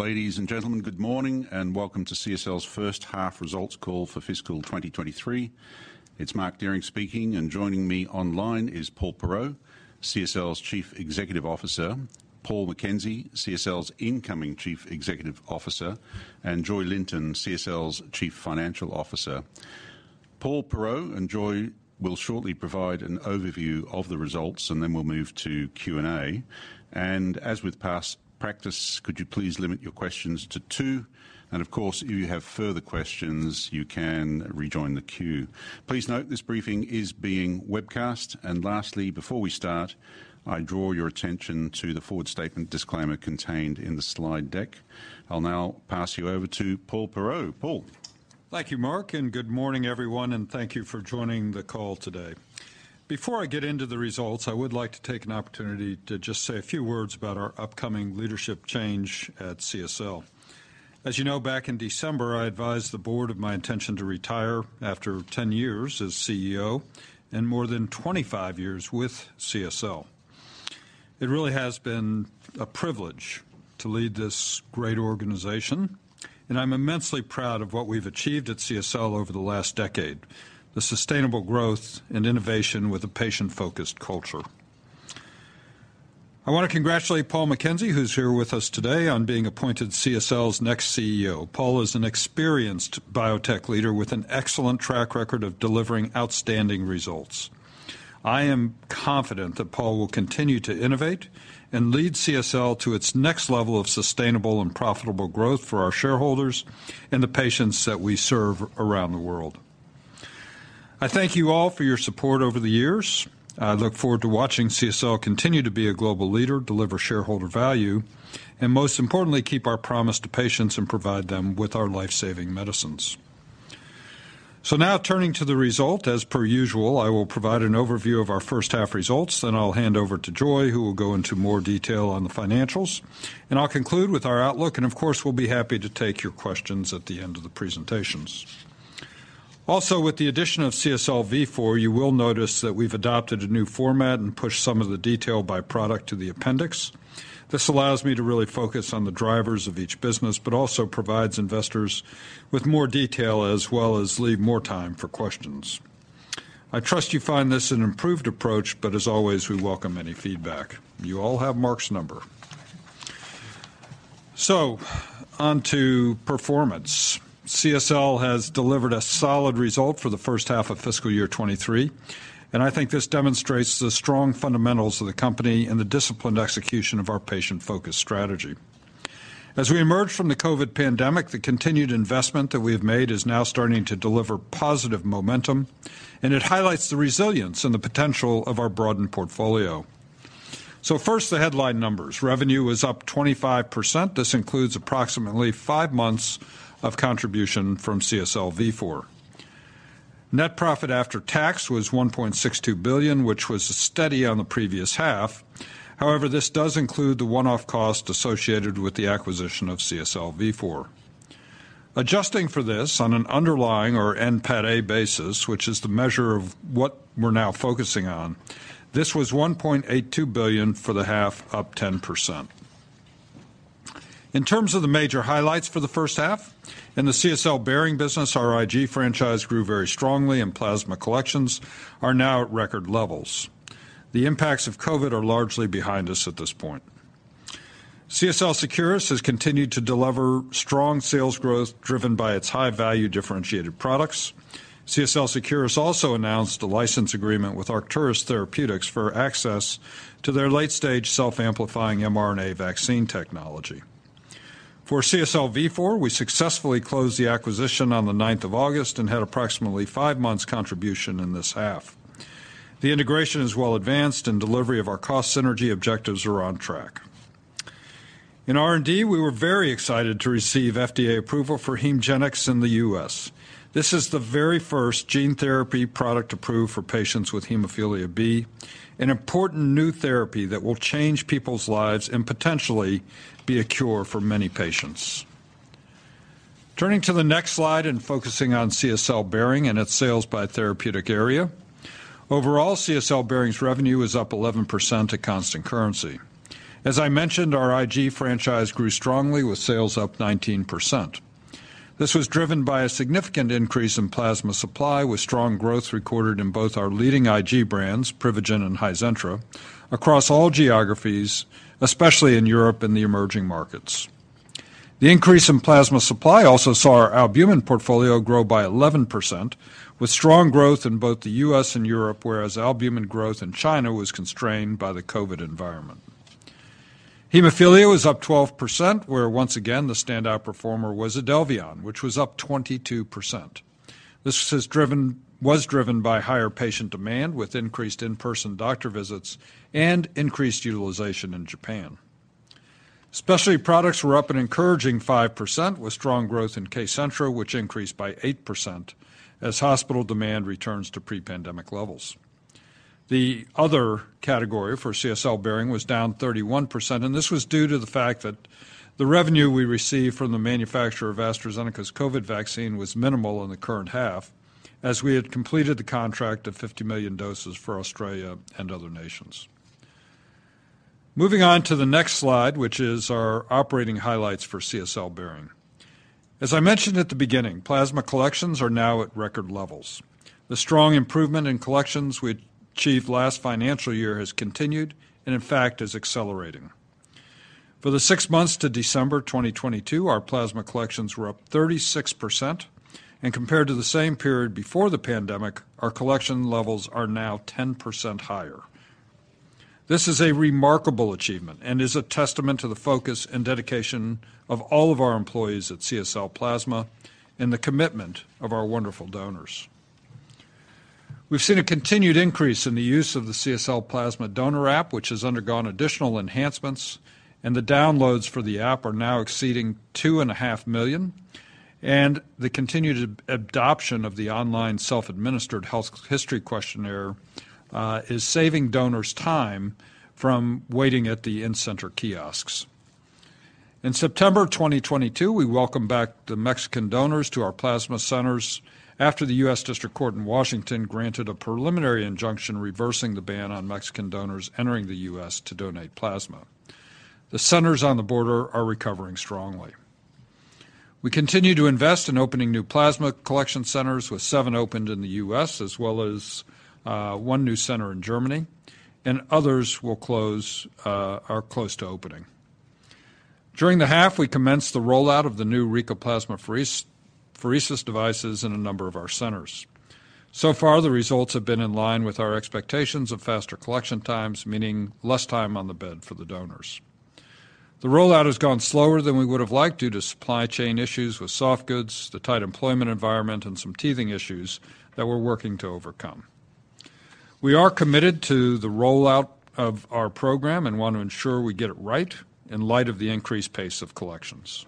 Ladies and gentlemen, good morning. Welcome to CSL's first half results call for fiscal 2023. It's Mark Deering speaking, and joining me online is Paul Perreault, CSL's Chief Executive Officer, Paul McKenzie, CSL's incoming Chief Executive Officer, and Joy Linton, CSL's Chief Financial Officer. Paul Perreault and Joy will shortly provide an overview of the results, and then we'll move to Q&A. As with past practice, could you please limit your questions to two? Of course, if you have further questions, you can rejoin the queue. Please note this briefing is being webcast. Lastly, before we start, I draw your attention to the forward statement disclaimer contained in the slide deck. I'll now pass you over to Paul Perreault. Paul. Thank you, Mark. Good morning everyone, and thank you for joining the call today. Before I get into the results, I would like to take an opportunity to just say a few words about our upcoming leadership change at CSL. As you know, back in December, I advised the board of my intention to retire after 10 years as CEO and more than 25 years with CSL. It really has been a privilege to lead this great organization. I'm immensely proud of what we've achieved at CSL over the last decade, the sustainable growth and innovation with a patient-focused culture. I wanna congratulate Paul McKenzie, who's here with us today on being appointed CSL's next CEO. Paul is an experienced biotech leader with an excellent track record of delivering outstanding results. I am confident that Paul will continue to innovate and lead CSL to its next level of sustainable and profitable growth for our shareholders and the patients that we serve around the world. I thank you all for your support over the years. I look forward to watching CSL continue to be a global leader, deliver shareholder value, and most importantly, keep our promise to patients and provide them with our life-saving medicines. Now turning to the result. As per usual, I will provide an overview of our first half results, then I'll hand over to Joy, who will go into more detail on the financials. I'll conclude with our outlook. Of course, we'll be happy to take your questions at the end of the presentations. With the addition of CSL Vifor, you will notice that we've adopted a new format and pushed some of the detail by product to the appendix. This allows me to really focus on the drivers of each business, also provides investors with more detail as well as leave more time for questions. I trust you find this an improved approach, as always, we welcome any feedback. You all have Mark's number. Onto performance. CSL has delivered a solid result for the first half of fiscal year 2023, I think this demonstrates the strong fundamentals of the company and the disciplined execution of our patient-focused strategy. As we emerge from the COVID pandemic, the continued investment that we have made is now starting to deliver positive momentum, it highlights the resilience and the potential of our broadened portfolio. First, the headline numbers. Revenue was up 25%. This includes approximately five months of contribution from CSL Vifor. Net profit after tax was $1.62 billion, which was steady on the previous half. This does include the one-off cost associated with the acquisition of CSL Vifor. Adjusting for this on an underlying or NPATA basis, which is the measure of what we're now focusing on, this was $1.82 billion for the half, up 10%. In terms of the major highlights for the first half, in the CSL Behring business, our IG franchise grew very strongly, and plasma collections are now at record levels. The impacts of COVID are largely behind us at this point. CSL Seqirus has continued to deliver strong sales growth driven by its high-value differentiated products. CSL Seqirus announced a license agreement with Arcturus Therapeutics for access to their late-stage self-amplifying mRNA vaccine technology. For CSL Vifor, we successfully closed the acquisition on the ninth of August and had approximately five months contribution in this half. The integration is well advanced, delivery of our cost synergy objectives are on track. In R&D, we were very excited to receive FDA approval for HEMGENIX in the U.S.. This is the very first gene therapy product approved for patients with hemophilia B, an important new therapy that will change people's lives and potentially be a cure for many patients. Turning to the next slide and focusing on CSL Behring and its sales by therapeutic area. Overall, CSL Behring's revenue is up 11% at constant currency. As I mentioned, our IG franchise grew strongly with sales up 19%. This was driven by a significant increase in plasma supply, with strong growth recorded in both our leading IG brands, Privigen and Hizentra, across all geographies, especially in Europe and the emerging markets. The increase in plasma supply also saw our albumin portfolio grow by 11%, with strong growth in both the U.S. and Europe, whereas albumin growth in China was constrained by the COVID environment. Hemophilia was up 12%, where once again, the standout performer was IDELVION, which was up 22%. This was driven by higher patient demand with increased in-person doctor visits and increased utilization in Japan. Specialty products were up an encouraging 5%, with strong growth in KCENTRA, which increased by 8% as hospital demand returns to pre-pandemic levels. The other category for CSL Behring was down 31%. This was due to the fact that the revenue we received from the manufacturer of AstraZeneca's COVID vaccine was minimal in the current half as we had completed the contract of 50 million doses for Australia and other nations. Moving on to the next slide, which is our operating highlights for CSL Behring. As I mentioned at the beginning, plasma collections are now at record levels. The strong improvement in collections we achieved last financial year has continued and in fact is accelerating. For the six months to December 2022, our plasma collections were up 36%. Compared to the same period before the pandemic, our collection levels are now 10% higher. This is a remarkable achievement and is a testament to the focus and dedication of all of our employees at CSL Plasma and the commitment of our wonderful donors. We've seen a continued increase in the use of the CSL Plasma donor app, which has undergone additional enhancements, the downloads for the app are now exceeding two and a half million. The continued adoption of the online self-administered health history questionnaire is saving donors time from waiting at the in-center kiosks. In September 2022, we welcomed back the Mexican donors to our plasma centers after the U.S. District Court in Washington granted a preliminary injunction reversing the ban on Mexican donors entering the U.S. to donate plasma. The centers on the border are recovering strongly. We continue to invest in opening new plasma collection centers, with seven opened in the U.S. as well as one new center in Germany and others are close to opening. During the half, we commenced the rollout of the new RECOplasma phoresis devices in a number of our centers. So far, the results have been in line with our expectations of faster collection times, meaning less time on the bed for the donors. The rollout has gone slower than we would have liked due to supply chain issues with soft goods, the tight employment environment, and some teething issues that we're working to overcome. We are committed to the rollout of our program and want to ensure we get it right in light of the increased pace of collections.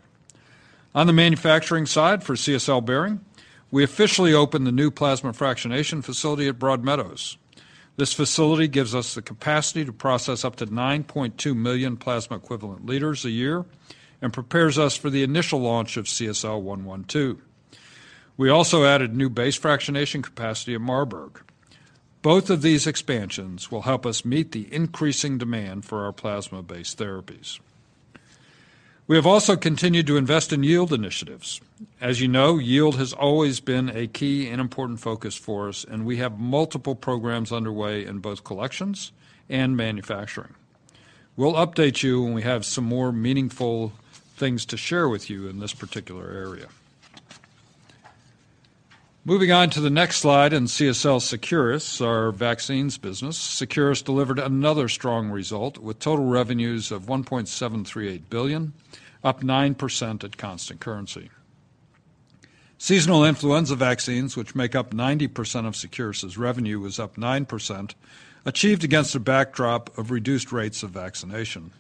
On the manufacturing side for CSL Behring, we officially opened the new plasma fractionation facility at Broadmeadows. This facility gives us the capacity to process up to 9.2 million plasma equivalent liters a year and prepares us for the initial launch of CSL112. We also added new base fractionation capacity at Marburg. Both of these expansions will help us meet the increasing demand for our plasma-based therapies. We have also continued to invest in yield initiatives. As you know, yield has always been a key and important focus for us, and we have multiple programs underway in both collections and manufacturing. We'll update you when we have some more meaningful things to share with you in this particular area. Moving on to the next slide in CSL Seqirus, our vaccines business. Seqirus delivered another strong result with total revenues of $1.738 billion, up 9% at constant currency. Seasonal influenza vaccines, which make up 90% of Seqirus' revenue, was up 9%, achieved against a backdrop of reduced rates of vaccination.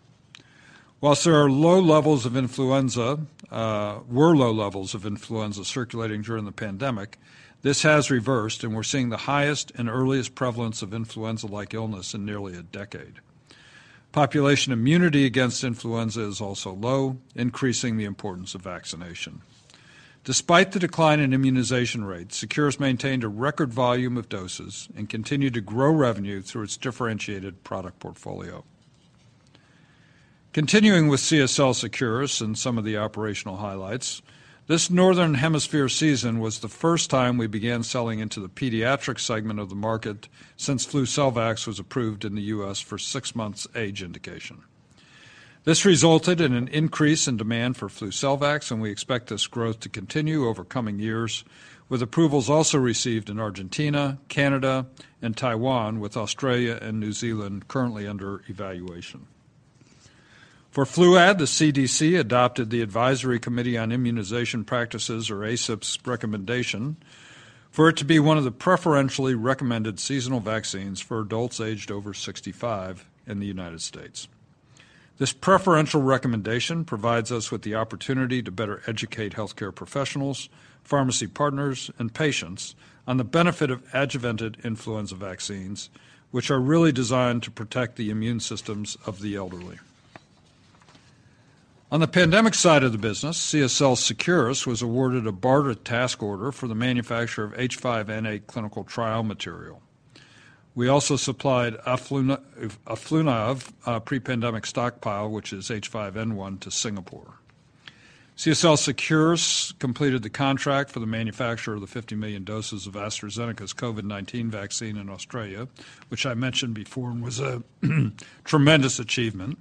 Whilst there were low levels of influenza circulating during the pandemic, this has reversed, and we're seeing the highest and earliest prevalence of influenza-like illness in nearly a decade. Population immunity against influenza is also low, increasing the importance of vaccination. Despite the decline in immunization rates, Seqirus maintained a record volume of doses and continued to grow revenue through its differentiated product portfolio. Continuing with CSL Seqirus and some of the operational highlights, this Northern Hemisphere season was the first time we began selling into the pediatric segment of the market since FLUCELVAX was approved in the U.S. for six months age indication. This resulted in an increase in demand for FLUCELVAX. We expect this growth to continue over coming years, with approvals also received in Argentina, Canada, and Taiwan, with Australia and New Zealand currently under evaluation. For Fluad, the CDC adopted the Advisory Committee on Immunization Practices, or ACIP's, recommendation for it to be one of the preferentially recommended seasonal vaccines for adults aged over 65 in the United States. This preferential recommendation provides us with the opportunity to better educate healthcare professionals, pharmacy partners, and patients on the benefit of adjuvanted influenza vaccines, which are really designed to protect the immune systems of the elderly. On the pandemic side of the business, CSL Seqirus was awarded a BARDA task order for the manufacture of H5N8 clinical trial material. We also supplied Afluria pre-pandemic stockpile, which is H5N1 to Singapore. CSL Seqirus completed the contract for the manufacture of the 50 million doses of AstraZeneca's COVID-19 vaccine in Australia, which I mentioned before and was a tremendous achievement.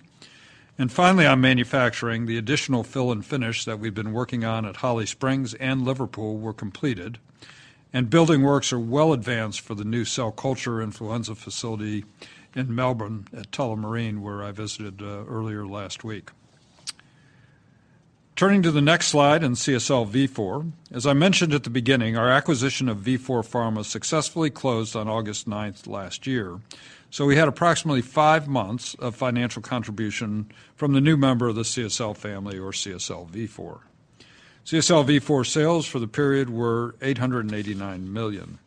Finally, on manufacturing, the additional fill and finish that we've been working on at Holly Springs and Liverpool were completed and building works are well advanced for the new cell culture influenza facility in Melbourne at Tullamarine, where I visited earlier last week. Turning to the next slide in CSL Vifor. As I mentioned at the beginning, our acquisition of Vifor Pharma successfully closed on August 9 last year. We had approximately 5 months of financial contribution from the new member of the CSL family or CSL Vifor. CSL Vifor sales for the period were $889 million.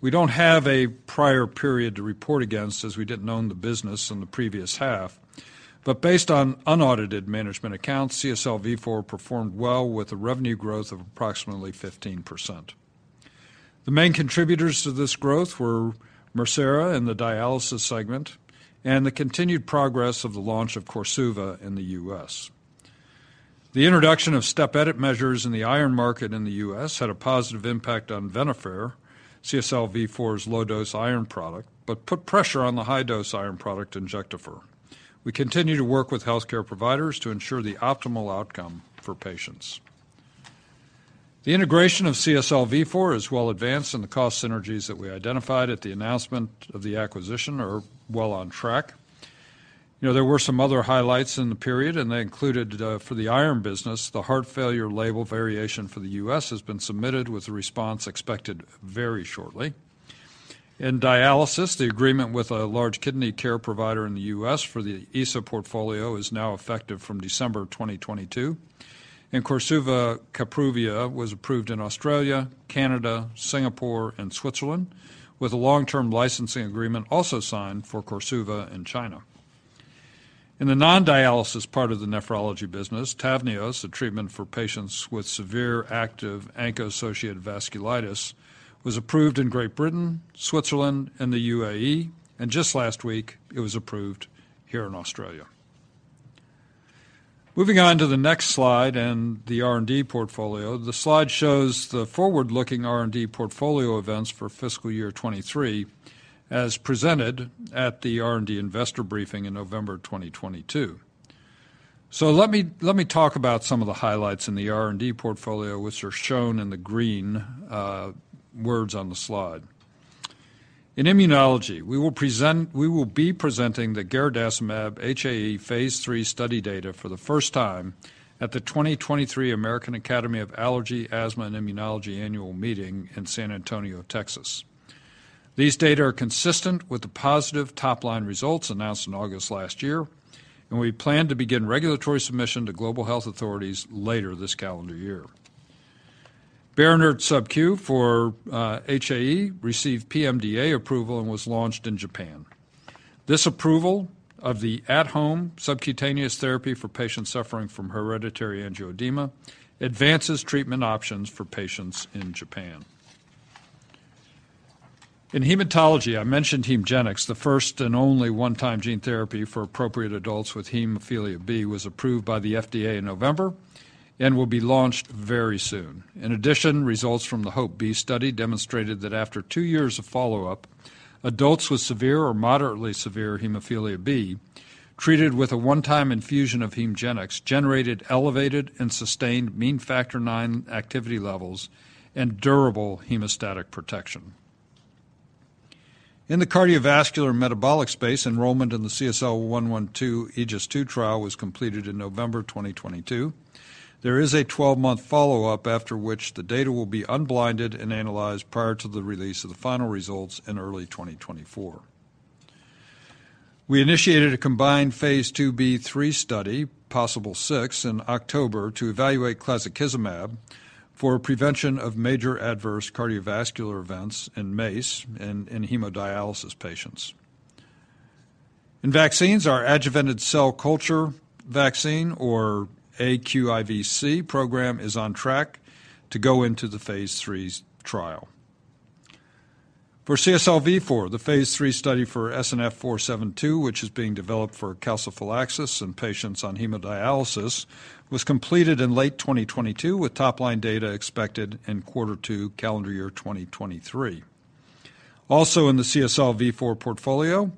We don't have a prior period to report against, as we didn't own the business in the previous half. Based on unaudited management accounts, CSL Vifor performed well with a revenue growth of approximately 15%. The main contributors to this growth were MIRCERA and the dialysis segment and the continued progress of the launch of KORSUVA in the U.S. The introduction of step edit measures in the iron market in the U.S. had a positive impact on Venofer, CSL Vifor's low-dose iron product, but put pressure on the high-dose iron product, Injectafer. We continue to work with healthcare providers to ensure the optimal outcome for patients. The integration of CSL Vifor is well advanced, and the cost synergies that we identified at the announcement of the acquisition are well on track. You know, there were some other highlights in the period, and they included for the iron business, the heart failure label variation for the U.S. has been submitted with a response expected very shortly. In dialysis, the agreement with a large kidney care provider in the U.S. for the ESA portfolio is now effective from December 2022. In KORSUVA, Kapruvia was approved in Australia, Canada, Singapore, and Switzerland, with a long-term licensing agreement also signed for KORSUVA in China. In the non-dialysis part of the nephrology business, Tavneos, a treatment for patients with severe active ANCA-associated vasculitis, was approved in Great Britain, Switzerland, and the U.A.E. Just last week it was approved here in Australia. Moving on to the next slide and the R&D portfolio. The slide shows the forward-looking R&D portfolio events for fiscal year 23, as presented at the R&D investor briefing in November 2022. Let me talk about some of the highlights in the R&D portfolio, which are shown in the green words on the slide. In immunology, we will be presenting the garadacimab HAE phase 3 study data for the first time at the 2023 American Academy of Allergy, Asthma and Immunology Annual Meeting in San Antonio, Texas. These data are consistent with the positive top-line results announced in August last year. We plan to begin regulatory submission to global health authorities later this calendar year. Berinert SubQ for HAE received PMDA approval and was launched in Japan. This approval of the at-home subcutaneous therapy for patients suffering from hereditary angioedema advances treatment options for patients in Japan. In hematology, I mentioned HEMGENIX, the first and only one-time gene therapy for appropriate adults with hemophilia B, was approved by the FDA in November and will be launched very soon. Results from the HOPE-B study demonstrated that after two years of follow-up, adults with severe or moderately severe hemophilia B treated with a one-time infusion of HEMGENIX generated elevated and sustained mean Factor IX activity levels and durable hemostatic protection. In the cardiovascular metabolic space, enrollment in the CSL112 AEGIS-II trial was completed in November 2022. There is a 12-month follow-up after which the data will be unblinded and analyzed prior to the release of the final results in early 2024. We initiated a combined Phase 2b/3 study, POSIBLE 6, in October to evaluate clazakizumab for prevention of major adverse cardiovascular events in MACE in hemodialysis patients. In vaccines, our adjuvanted cell culture vaccine or aQIVc program is on track to go into the phase 3 trial. For CSL Vifor, the phase III study for SNF472, which is being developed for calciphylaxis in patients on hemodialysis, was completed in late 2022, with top-line data expected in quarter two calendar year 2023. Also in the CSL Vifor portfolio,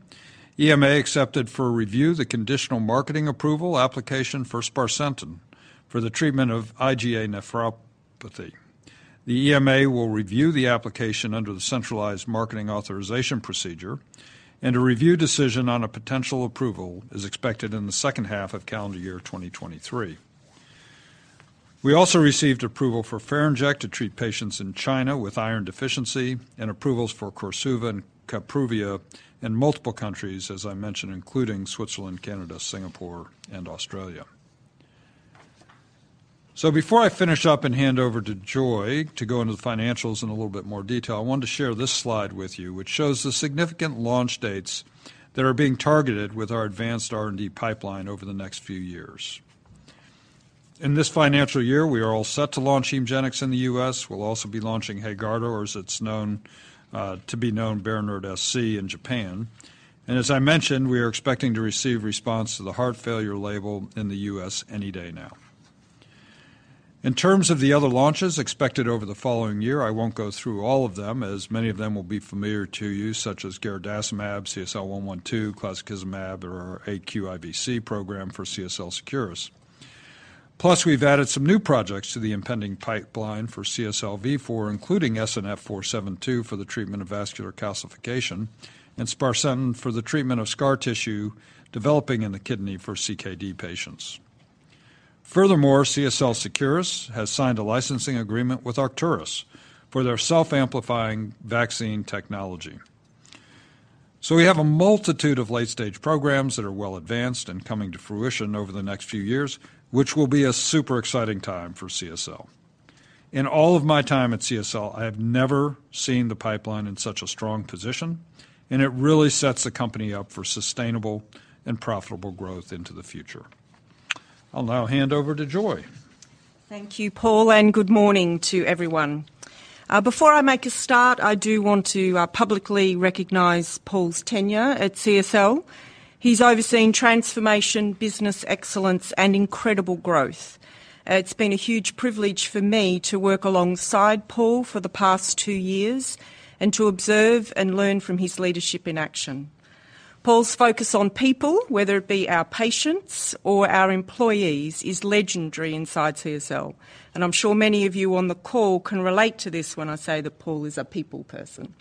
EMA accepted for review the conditional marketing approval application for sparsentan for the treatment of IgA nephropathy. The EMA will review the application under the centralized marketing authorization procedure. A review decision on a potential approval is expected in the second half of calendar year 2023. We also received approval for Ferinject to treat patients in China with iron deficiency and approvals for KORSUVA and Kapruvia in multiple countries, as I mentioned, including Switzerland, Canada, Singapore, and Australia. Before I finish up and hand over to Joy to go into the financials in a little bit more detail, I wanted to share this slide with you, which shows the significant launch dates that are being targeted with our advanced R&D pipeline over the next few years. In this financial year, we are all set to launch HEMGENIX in the U.S. We'll also be launching HAEGARDA, or as it's known, to be known Berinert SC in Japan. As I mentioned, we are expecting to receive response to the heart failure label in the U.S. any day now. In terms of the other launches expected over the following year, I won't go through all of them as many of them will be familiar to you, such as garadacimab, CSL112, clazakizumab, or our aQIVc program for CSL Seqirus. Plus, we've added some new projects to the impending pipeline for CSL Vifor, including SNF472 for the treatment of vascular calcification and sparsentan for the treatment of scar tissue developing in the kidney for CKD patients. Furthermore, CSL Seqirus has signed a licensing agreement with Arcturus for their self-amplifying vaccine technology. We have a multitude of late-stage programs that are well advanced and coming to fruition over the next few years, which will be a super exciting time for CSL. In all of my time at CSL, I have never seen the pipeline in such a strong position, and it really sets the company up for sustainable and profitable growth into the future. I'll now hand over to Joy. Thank you, Paul, and good morning to everyone. Before I make a start, I do want to publicly recognize Paul's tenure at CSL. He's overseen transformation, business excellence, and incredible growth. It's been a huge privilege for me to work alongside Paul for the past two years and to observe and learn from his leadership in action. Paul's focus on people, whether it be our patients or our employees, is legendary inside CSL, and I'm sure many of you on the call can relate to this when I say that Paul is a people person.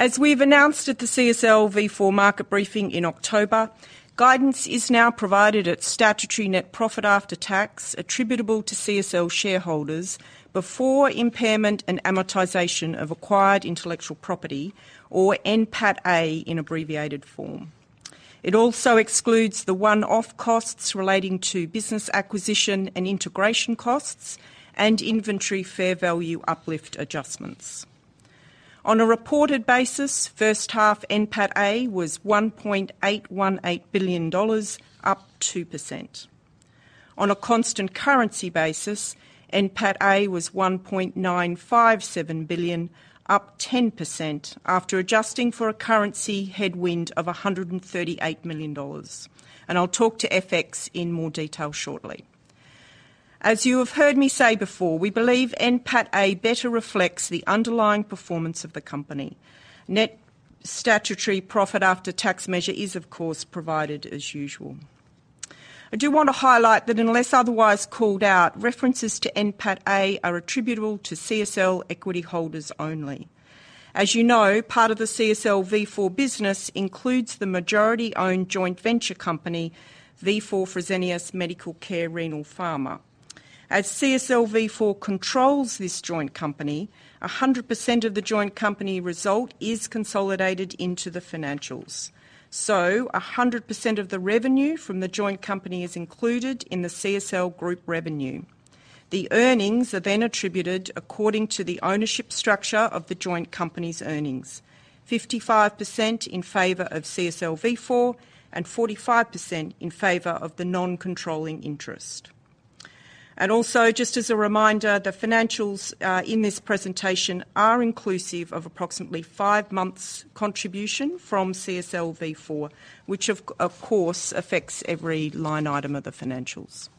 As we've announced at the CSL Vifor Market Briefing in October, guidance is now provided at statutory net profit after tax attributable to CSL shareholders before impairment and amortization of acquired intellectual property, or NPATA in abbreviated form. It also excludes the one-off costs relating to business acquisition and integration costs and inventory fair value uplift adjustments. On a reported basis, first half NPATA was $1.818 billion, up 2%. On a constant currency basis, NPATA was $1.957 billion, up 10% after adjusting for a currency headwind of $138 million, and I'll talk to FX in more detail shortly. As you have heard me say before, we believe NPATA better reflects the underlying performance of the company. Net statutory profit after tax measure is, of course, provided as usual. I do want to highlight that unless otherwise called out, references to NPATA are attributable to CSL equity holders only. As you know, part of the CSL Vifor business includes the majority-owned joint venture company, Vifor Fresenius Medical Care Renal Pharma. As CSL Vifor controls this joint company, 100% of the joint company result is consolidated into the financials. 100% of the revenue from the joint company is included in the CSL group revenue. The earnings are attributed according to the ownership structure of the joint company's earnings, 55% in favor of CSL Vifor and 45% in favor of the non-controlling interest. Just as a reminder, the financials in this presentation are inclusive of approximately 5 months' contribution from CSL Vifor, which of course, affects every line item of the financials.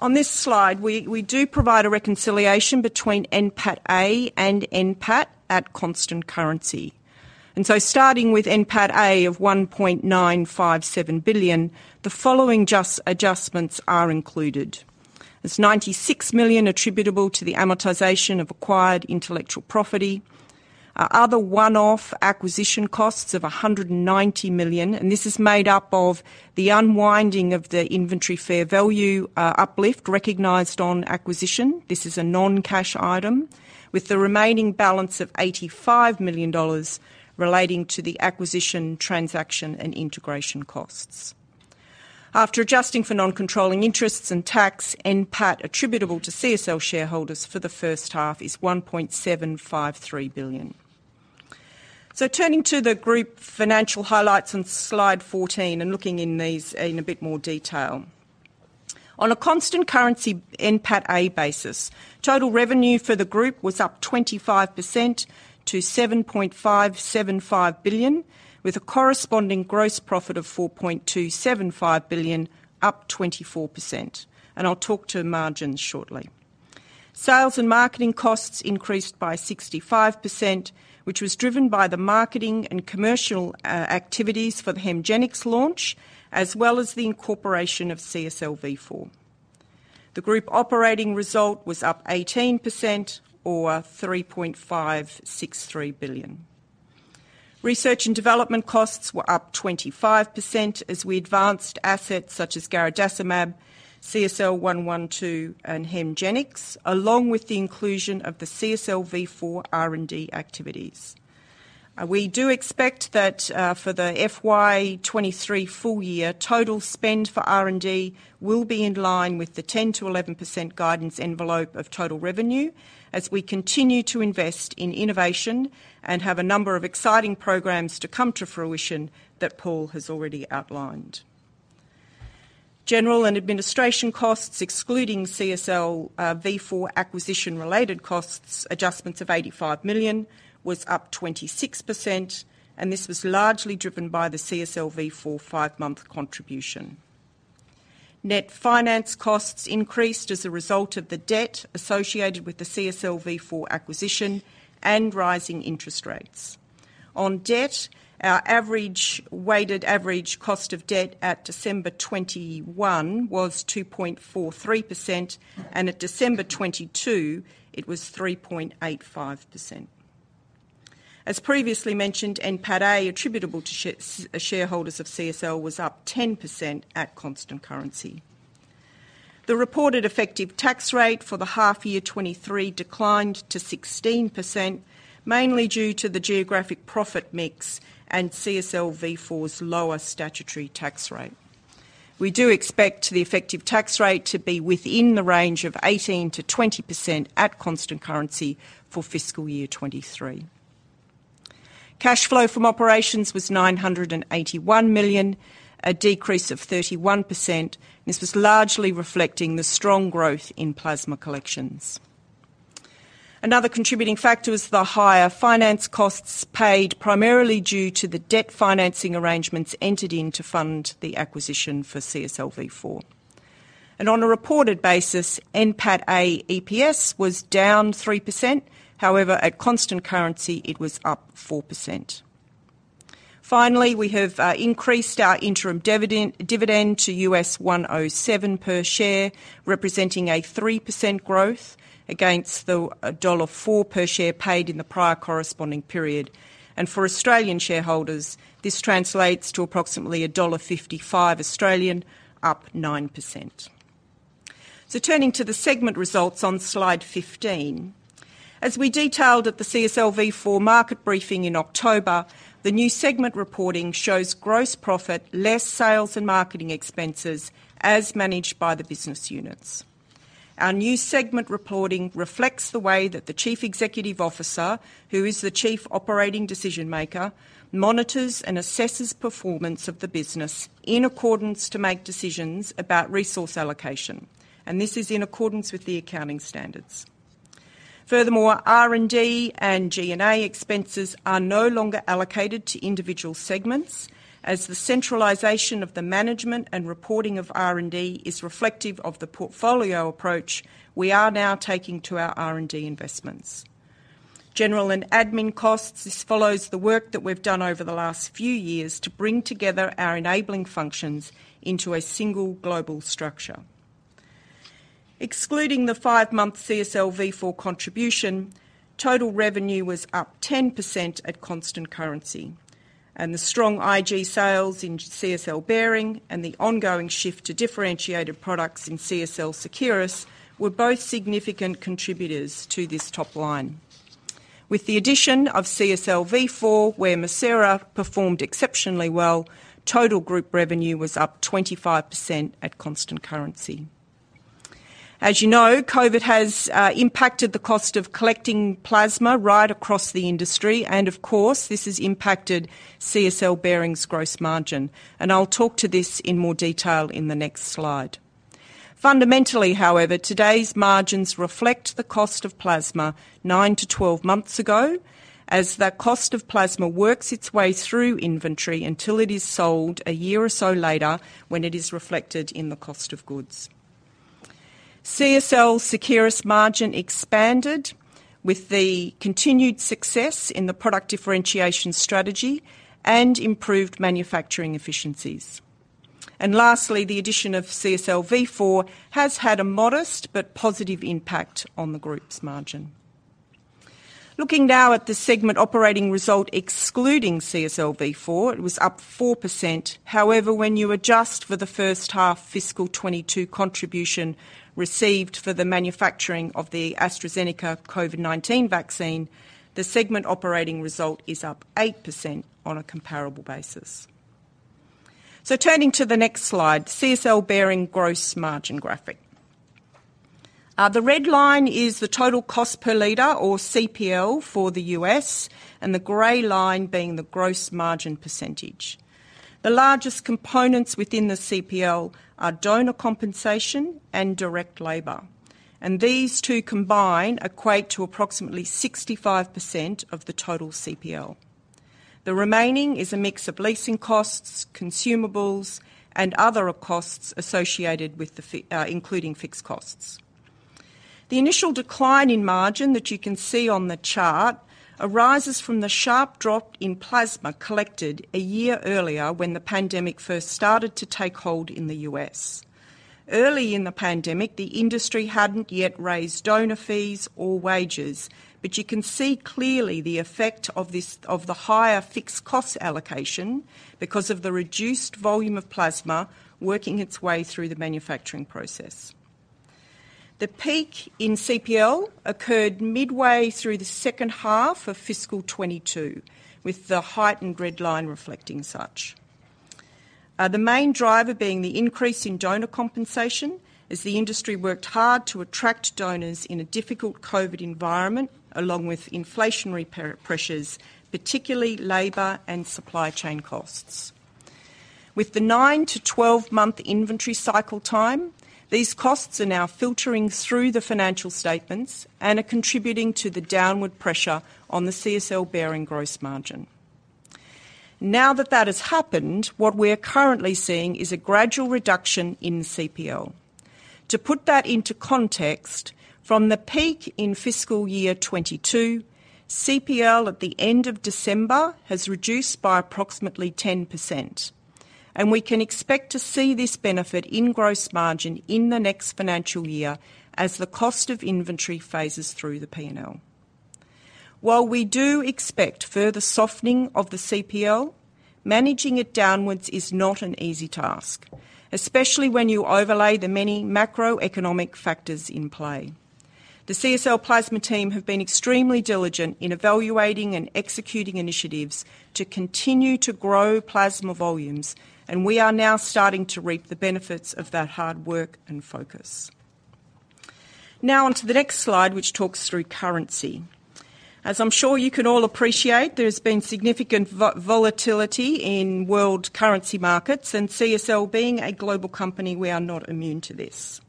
On this slide, we do provide a reconciliation between NPATA and NPAT at constant currency. Starting with NPATA of $1.957 billion, the following adjustments are included. There's $96 million attributable to the amortization of acquired intellectual property. Our other one-off acquisition costs of $190 million. This is made up of the unwinding of the inventory fair value uplift recognized on acquisition. This is a non-cash item with the remaining balance of $85 million relating to the acquisition, transaction, and integration costs. After adjusting for non-controlling interests and tax, NPAT attributable to CSL shareholders for the first half is $1.753 billion. Turning to the group financial highlights on slide 14 and looking in these in a bit more detail. On a constant currency NPATA basis, total revenue for the group was up 25% to $7.575 billion, with a corresponding gross profit of $4.275 billion, up 24%. I'll talk to margins shortly. Sales and marketing costs increased by 65%, which was driven by the marketing and commercial activities for the HEMGENIX launch, as well as the incorporation of CSL Vifor. The group operating result was up 18% or $3.563 billion. Research and development costs were up 25% as we advanced assets such as garadacimab, CSL112, and HEMGENIX, along with the inclusion of the CSL Vifor R&D activities. We do expect for the FY23 full year, total spend for R&D will be in line with the 10%-11% guidance envelope of total revenue as we continue to invest in innovation and have a number of exciting programs to come to fruition that Paul has already outlined. General and administration costs, excluding CSL Vifor acquisition-related costs, adjustments of $85 million, was up 26%. This was largely driven by the CSL Vifor five-month contribution. Net finance costs increased as a result of the debt associated with the CSL Vifor acquisition and rising interest rates. On debt, our weighted average cost of debt at December 2021 was 2.43%, and at December 2022, it was 3.85%. As previously mentioned, NPATA attributable to shareholders of CSL was up 10% at constant currency. The reported effective tax rate for the half year 2023 declined to 16%, mainly due to the geographic profit mix and CSL Vifor's lower statutory tax rate. We do expect the effective tax rate to be within the range of 18%-20% at constant currency for fiscal year 2023. Cash flow from operations was $981 million, a decrease of 31%. This was largely reflecting the strong growth in plasma collections. Another contributing factor was the higher finance costs paid primarily due to the debt financing arrangements entered into fund the acquisition for CSL Vifor. On a reported basis, NPATA EPS was down 3%. However, at constant currency, it was up 4%. Finally, we have increased our interim dividend to US$1.07 per share, representing a 3% growth against the $1.04 per share paid in the prior corresponding period. For Australian shareholders, this translates to approximately 1.55 Australian dollars, up 9%. Turning to the segment results on slide 15. As we detailed at the CSL Vifor market briefing in October, the new segment reporting shows gross profit, less sales and marketing expenses as managed by the business units. Our new segment reporting reflects the way that the chief executive officer, who is the chief operating decision maker, monitors and assesses performance of the business in accordance to make decisions about resource allocation. This is in accordance with the accounting standards. Furthermore, R&D and G&A expenses are no longer allocated to individual segments, as the centralization of the management and reporting of R&D is reflective of the portfolio approach we are now taking to our R&D investments. General and admin costs, this follows the work that we've done over the last few years to bring together our enabling functions into a single global structure. Excluding the five-month CSL Vifor contribution, total revenue was up 10% at constant currency, and the strong IG sales in CSL Behring and the ongoing shift to differentiated products in CSL Seqirus were both significant contributors to this top line. With the addition of CSL Vifor, where MIRCERA performed exceptionally well, total group revenue was up 25% at constant currency. As you know, COVID has impacted the cost of collecting plasma right across the industry, and of course, this has impacted CSL Behring's gross margin. I'll talk to this in more detail in the next slide. Fundamentally, however, today's margins reflect the cost of plasma 9-12 months ago, as the cost of plasma works its way through inventory until it is sold a year or so later when it is reflected in the cost of goods. CSL Seqirus margin expanded with the continued success in the product differentiation strategy and improved manufacturing efficiencies. Lastly, the addition of CSL Vifor has had a modest but positive impact on the group's margin. Looking now at the segment operating result excluding CSL Vifor, it was up 4%. However, when you adjust for the first half fiscal 2022 contribution received for the manufacturing of the AstraZeneca COVID-19 vaccine, the segment operating result is up 8% on a comparable basis. Turning to the next slide, CSL Behring gross margin graphic. The red line is the total cost per liter or CPL for the U.S., and the gray line being the gross margin percentage. The largest components within the CPL are donor compensation and direct labor. These two combined equate to approximately 65% of the total CPL. The remaining is a mix of leasing costs, consumables, and other costs associated with including fixed costs. The initial decline in margin that you can see on the chart arises from the sharp drop in plasma collected a year earlier when the pandemic first started to take hold in the US. Early in the pandemic, the industry hadn't yet raised donor fees or wages. You can see clearly the effect of the higher fixed cost allocation because of the reduced volume of plasma working its way through the manufacturing process. The peak in CPL occurred midway through the second half of fiscal 22, with the heightened red line reflecting such. The main driver being the increase in donor compensation as the industry worked hard to attract donors in a difficult COVID environment, along with inflationary pressures, particularly labor and supply chain costs. With the 9-12 month inventory cycle time, these costs are now filtering through the financial statements and are contributing to the downward pressure on the CSL Behring gross margin. Now that that has happened, what we're currently seeing is a gradual reduction in CPL. To put that into context, from the peak in fiscal year 2022, CPL at the end of December has reduced by approximately 10%, and we can expect to see this benefit in gross margin in the next financial year as the cost of inventory phases through the P&L. While we do expect further softening of the CPL, managing it downwards is not an easy task, especially when you overlay the many macroeconomic factors in play. The CSL Plasma team have been extremely diligent in evaluating and executing initiatives to continue to grow plasma volumes. We are now starting to reap the benefits of that hard work and focus. Now on to the next slide, which talks through currency. As I'm sure you can all appreciate, there's been significant volatility in world currency markets. CSL being a global company, we are not immune to this.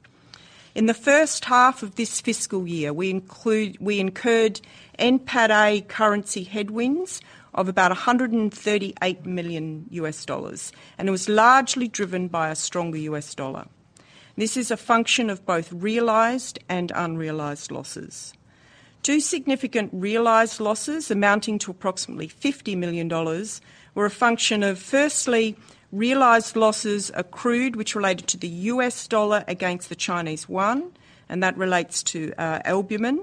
In the first half of this fiscal year, we incurred NPAT A currency headwinds of about $138 million US dollars. It was largely driven by a stronger US dollar. This is a function of both realized and unrealized losses. Two significant realized losses amounting to approximately $50 million dollars were a function of, firstly, realized losses accrued, which related to the US dollar against the Chinese yuan. That relates to albumin.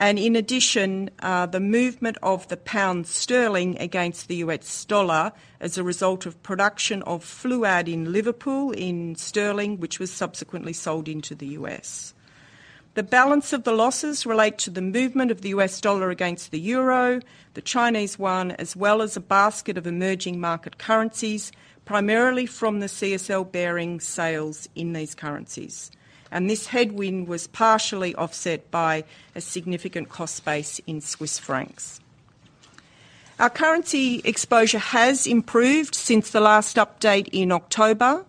In addition, the movement of the pound sterling against the US dollar as a result of production of Fluad in Liverpool in sterling, which was subsequently sold into the U.S. The balance of the losses relate to the movement of the US dollar against the euro, the Chinese yuan, as well as a basket of emerging market currencies, primarily from the CSL Behring sales in these currencies. This headwind was partially offset by a significant cost base in Swiss francs. Our currency exposure has improved since the last update in October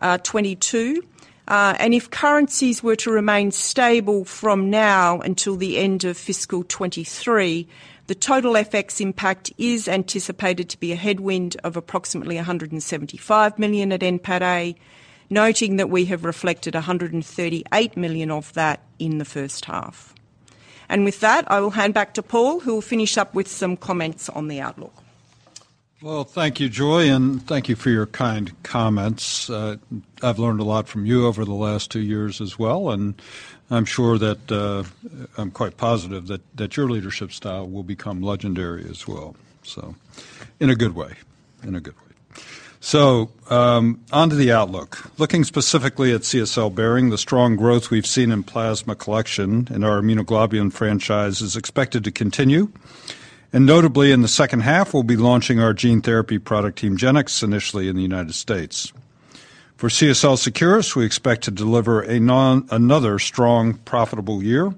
2022, and if currencies were to remain stable from now until the end of fiscal 2023, the total FX impact is anticipated to be a headwind of approximately $175 million at NPAT A, noting that we have reflected $138 million of that in the first half. With that, I will hand back to Paul, who will finish up with some comments on the outlook. Thank you, Joy, and thank you for your kind comments. I've learned a lot from you over the last 2 years as well, and I'm sure that I'm quite positive that your leadership style will become legendary as well. In a good way, in a good way. Onto the outlook. Looking specifically at CSL Behring, the strong growth we've seen in plasma collection in our immunoglobulin franchise is expected to continue. Notably, in the second half, we'll be launching our gene therapy product, HEMGENIX, initially in the United States. For CSL Seqirus, we expect to deliver another strong, profitable year.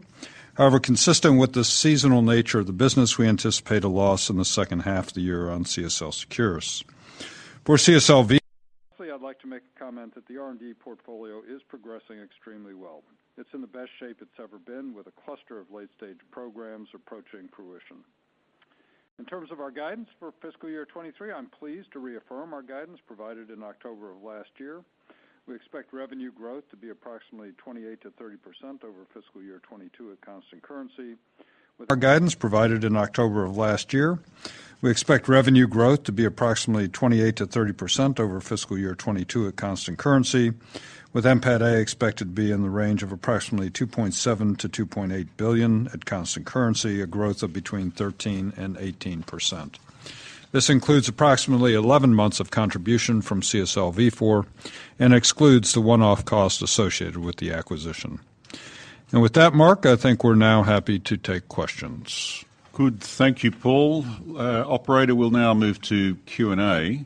Consistent with the seasonal nature of the business, we anticipate a loss in the second half of the year on CSL Seqirus. Lastly, I'd like to make a comment that the R&D portfolio is progressing extremely well. It's in the best shape it's ever been with a cluster of late-stage programs approaching fruition. In terms of our guidance for fiscal year 2023, I'm pleased to reaffirm our guidance provided in October of last year. We expect revenue growth to be approximately 28%-30% over fiscal year 2022 at constant currency. Our guidance provided in October of last year, we expect revenue growth to be approximately 28%-30% over fiscal year 2022 at constant currency, with NPAT A expected to be in the range of approximately $2.7 billion-$2.8 billion at constant currency, a growth of between 13% and 18%. This includes approximately 11 months of contribution from CSL Vifor and excludes the one-off cost associated with the acquisition. With that, Mark, I think we're now happy to take questions. Good. Thank you, Paul. Operator, we'll now move to Q&A.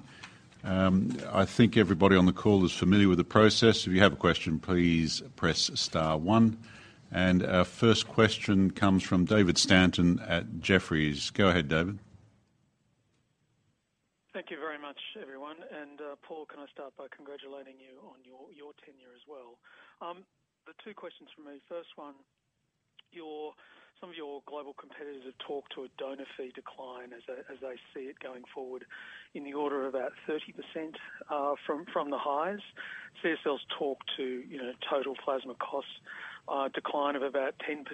I think everybody on the call is familiar with the process. If you have a question, please press star one. Our first question comes from David Stanton at Jefferies. Go ahead, David. Thank you very much, everyone. Paul, can I start by congratulating you on your tenure as well? The two questions from me. First one, some of your global competitors have talked to a donor fee decline as they see it going forward in the order of about 30% from the highs. CSL's talked to, you know, total plasma cost decline of about 10%.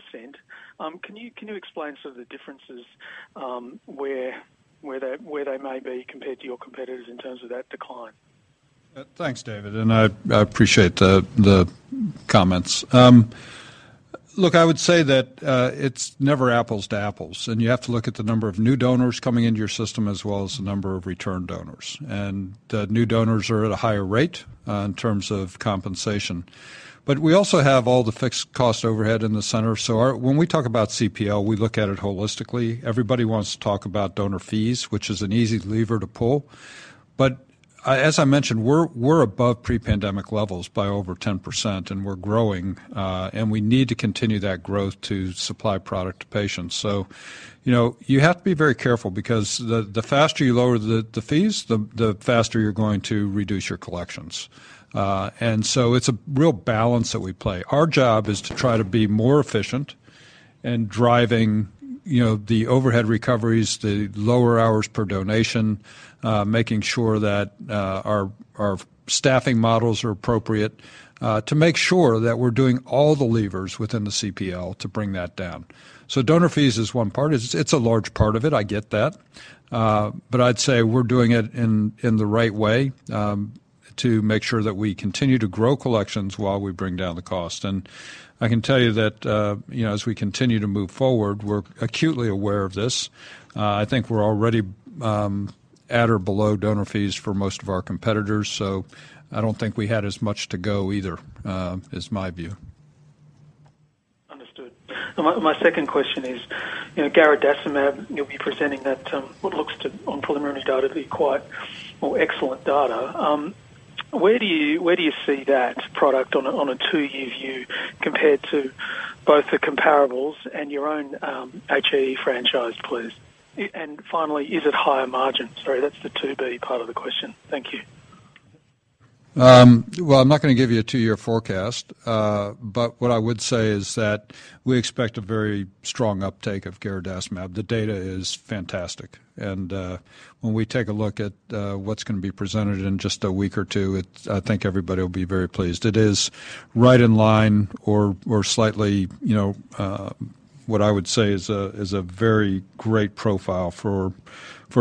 Can you explain some of the differences where they may be compared to your competitors in terms of that decline? Thanks, David, and I appreciate the comments. Look, I would say that it's never apples to apples, and you have to look at the number of new donors coming into your system as well as the number of return donors. The new donors are at a higher rate in terms of compensation. We also have all the fixed cost overhead in the center. When we talk about CPL, we look at it holistically. Everybody wants to talk about donor fees, which is an easy lever to pull. As I mentioned, we're above pre-pandemic levels by over 10%, and we're growing, and we need to continue that growth to supply product to patients. You know, you have to be very careful because the faster you lower the fees, the faster you're going to reduce your collections. It's a real balance that we play. Our job is to try to be more efficient and driving, you know, the overhead recoveries, the lower hours per donation, making sure that our staffing models are appropriate, to make sure that we're doing all the levers within the CPL to bring that down. Donor fees is 1 part. It's a large part of it, I get that. I'd say we're doing it in the right way to make sure that we continue to grow collections while we bring down the cost. I can tell you that, you know, as we continue to move forward, we're acutely aware of this. I think we're already at or below donor fees for most of our competitors, so I don't think we had as much to go either, is my view. Understood. My second question is, you know, garadacimab, you'll be presenting that, what looks to, on preliminary data, to be quite excellent data. Where do you see that product on a, on a two-year view compared to both the comparables and your own HAE franchise, please? Finally, is it higher margin? Sorry, that's the 2B part of the question. Thank you. Well, I'm not gonna give you a two-year forecast. What I would say is that we expect a very strong uptake of garadacimab. The data is fantastic. When we take a look at what's gonna be presented in just a week or two, I think everybody will be very pleased. It is right in line or slightly, you know, what I would say is a very great profile for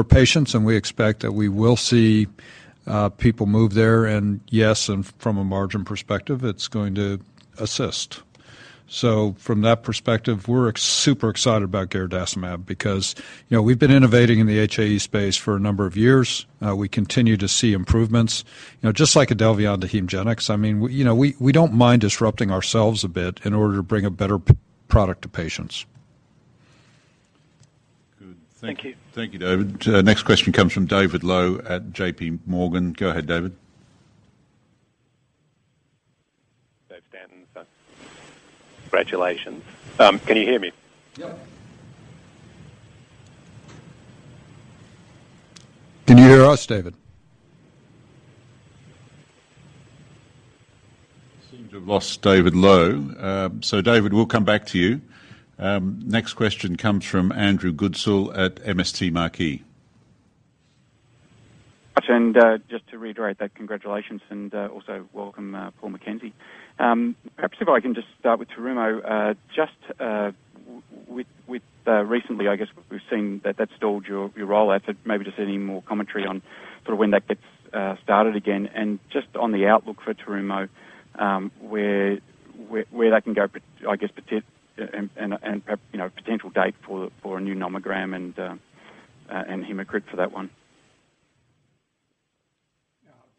patients, and we expect that we will see people move there. Yes, from a margin perspective, it's going to assist. From that perspective, we're super excited about garadacimab because, you know, we've been innovating in the HAE space for a number of years. We continue to see improvements. You know, just like IDELVION to HEMGENIX, I mean, you know, we don't mind disrupting ourselves a bit in order to bring a better product to patients. Good. Thank you. Thank you, David. Next question comes from David Low at J.P. Morgan. Go ahead, David. David Stanton. Congratulations. Can you hear me? Yep. Can you hear us, David? Seem to have lost David Low. David, we'll come back to you. Next question comes from Andrew Goodsall at MST Marquis. Just to reiterate that, congratulations and also welcome Paul McKenzie. Perhaps if I can just start with Terumo. Just with recently, I guess we've seen that that stalled your rollout. Maybe just any more commentary on sort of when that gets started again and just on the outlook for Terumo, where that can go I guess, and perhaps, you know, potential date for a new nomogram and hematocrit for that one.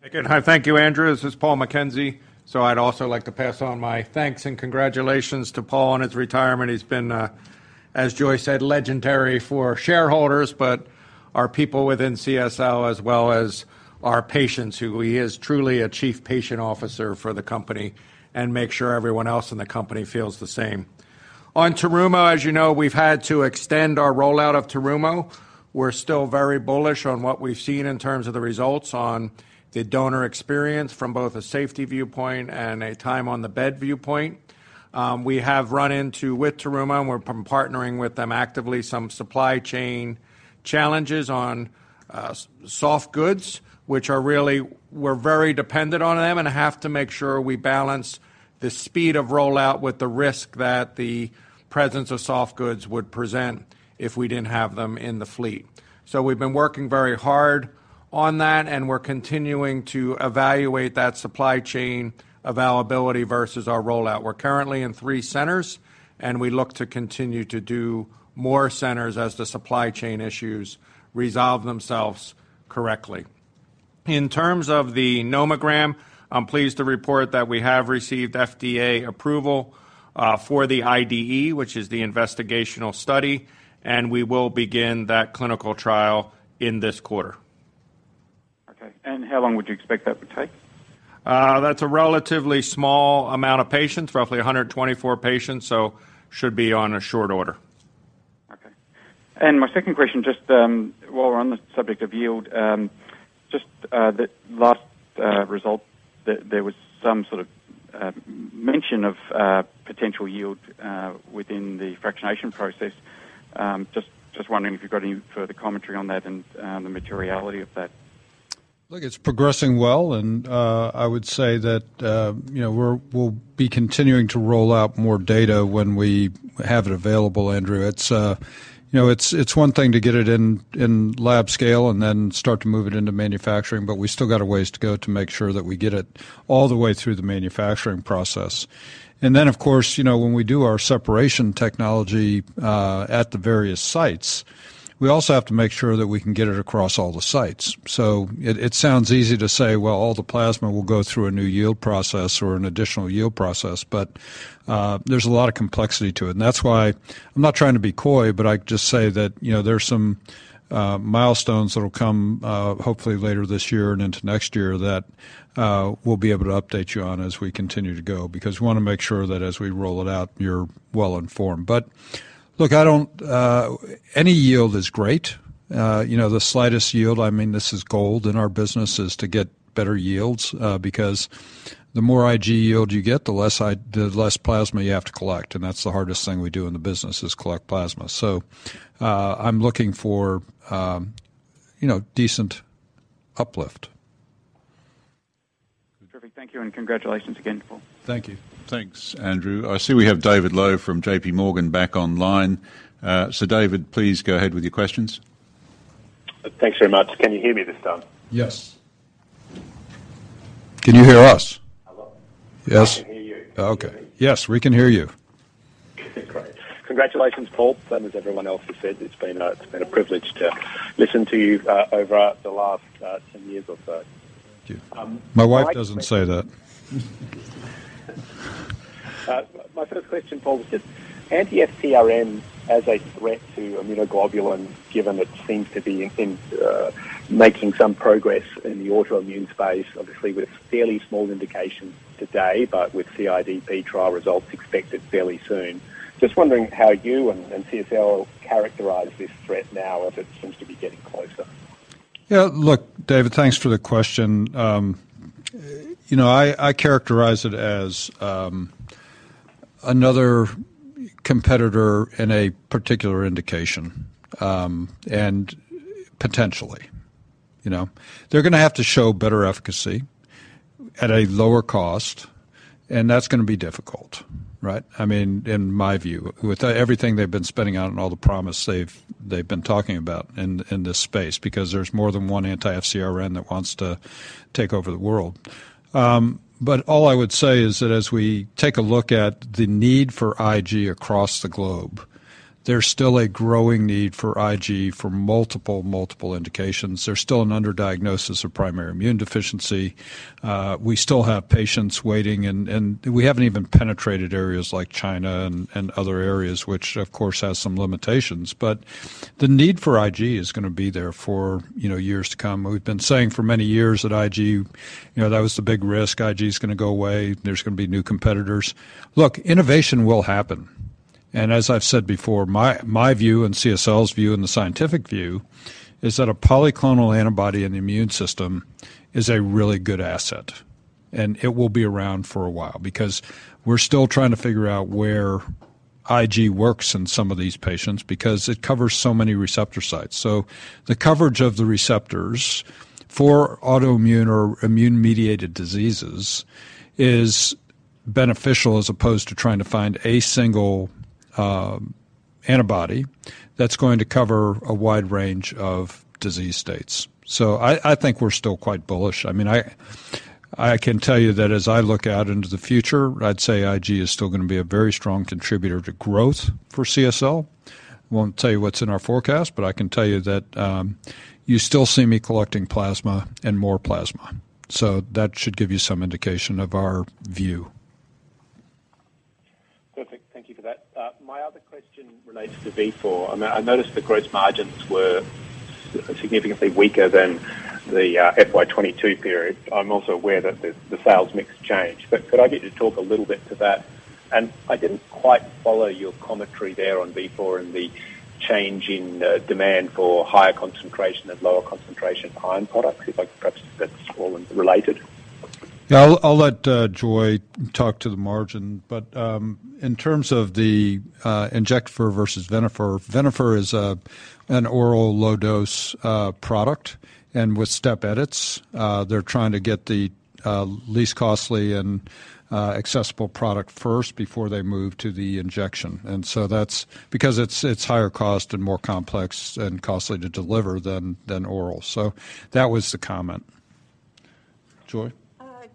Again, hi. Thank you, Andrew. This is Paul McKenzie. I'd also like to pass on my thanks and congratulations to Paul on his retirement. He's been, as Joy said, legendary for shareholders, but our people within CSL as well as our patients who he is truly a chief patient officer for the company and makes sure everyone else in the company feels the same. On Terumo, as you know, we've had to extend our rollout of Terumo. We're still very bullish on what we've seen in terms of the results on the donor experience from both a safety viewpoint and a time on the bed viewpoint. We have run into with Terumo, and we're partnering with them actively, some supply chain challenges on soft goods, which are really... We're very dependent on them and have to make sure we balance the speed of rollout with the risk that the presence of soft goods would present if we didn't have them in the fleet. We've been working very hard on that, and we're continuing to evaluate that supply chain availability versus our rollout. We're currently in three centers, and we look to continue to do more centers as the supply chain issues resolve themselves correctly. In terms of the nomogram, I'm pleased to report that we have received FDA approval for the IDE, which is the investigational study, and we will begin that clinical trial in this quarter. Okay. How long would you expect that to take? That's a relatively small amount of patients, roughly 124 patients, so should be on a short order. Okay. My second question, just, while we're on the subject of yield, just, the last result, there was some sort of mention of potential yield within the fractionation process. Just wondering if you've got any further commentary on that and the materiality of that? Look, it's progressing well. I would say that, you know, we'll be continuing to roll out more data when we have it available, Andrew. It's, you know, it's one thing to get it in lab scale and then start to move it into manufacturing, but we still got a ways to go to make sure that we get it all the way through the manufacturing process. Of course, you know, when we do our separation technology at the various sites, we also have to make sure that we can get it across all the sites. It sounds easy to say, "Well, all the plasma will go through a new yield process or an additional yield process," but there's a lot of complexity to it. That's why I'm not trying to be coy, but I just say that, you know, there's some milestones that'll come hopefully later this year and into next year that we'll be able to update you on as we continue to go because we wanna make sure that as we roll it out, you're well informed. Look, I don't. Any yield is great. You know, the slightest yield, I mean, this is gold, and our business is to get better yields because the more IG yield you get, the less plasma you have to collect. That's the hardest thing we do in the business is collect plasma. I'm looking for, you know, decent uplift. Perfect. Thank you, and congratulations again, Paul. Thank you. Thanks, Andrew. I see we have David Low from J.P. Morgan back online. David, please go ahead with your questions. Thanks very much. Can you hear me this time? Yes. Can you hear us? Hello. Yes. I can hear you. Okay. Yes, we can hear you. Great. Congratulations, Paul. Same as everyone else has said, it's been a privilege to listen to you, over the last 10 years or so. Thank you. Um- My wife doesn't say that. My first question, Paul, was just anti-FcRn as a threat to immunoglobulin, given it seems to be making some progress in the autoimmune space, obviously with fairly small indications today, but with CIDP trial results expected fairly soon. Just wondering how you and CSL characterize this threat now as it seems to be getting closer. Yeah, look, David, thanks for the question. You know, I characterize it as another competitor in a particular indication, and potentially, you know. They're gonna have to show better efficacy at a lower cost, and that's gonna be difficult, right? I mean, in my view with everything they've been spending on and all the promise they've been talking about in this space because there's more than one anti-FcRn that wants to take over the world. All I would say is that as we take a look at the need for IG across the globe, there's still a growing need for IG for multiple indications. There's still an underdiagnosis of primary immune deficiency. We still have patients waiting and we haven't even penetrated areas like China and other areas, which of course has some limitations. The need for IG is gonna be there for, you know, years to come. We've been saying for many years that IG, you know, that was the big risk. IG is gonna go away. There's gonna be new competitors. Look, innovation will happen. As I've said before, my view and CSL's view and the scientific view is that a polyclonal antibody in the immune system is a really good asset, and it will be around for a while because we're still trying to figure out where IG works in some of these patients because it covers so many receptor sites. The coverage of the receptors for autoimmune or immune-mediated diseases is beneficial as opposed to trying to find a single antibody that's going to cover a wide range of disease states. I think we're still quite bullish. I mean, I can tell you that as I look out into the future, I'd say IG is still gonna be a very strong contributor to growth for CSL. I won't tell you what's in our forecast, but I can tell you that, you still see me collecting plasma and more plasma. That should give you some indication of our view. Perfect. Thank you for that. My other question relates to Vifor. I noticed the gross margins were significantly weaker than the FY22 period. I'm also aware that the sales mix changed. Could I get you to talk a little bit to that? I didn't quite follow your commentary there on Vifor and the change in demand for higher concentration and lower concentration iron products. If I perhaps that's all related. Yeah. I'll let Joy talk to the margin. In terms of the Injectafer versus Venofer. Venofer is an oral low dose product and with step edits, they're trying to get the least costly and accessible product first before they move to the injection. That's because it's higher cost and more complex and costly to deliver than oral. That was the comment. Joy.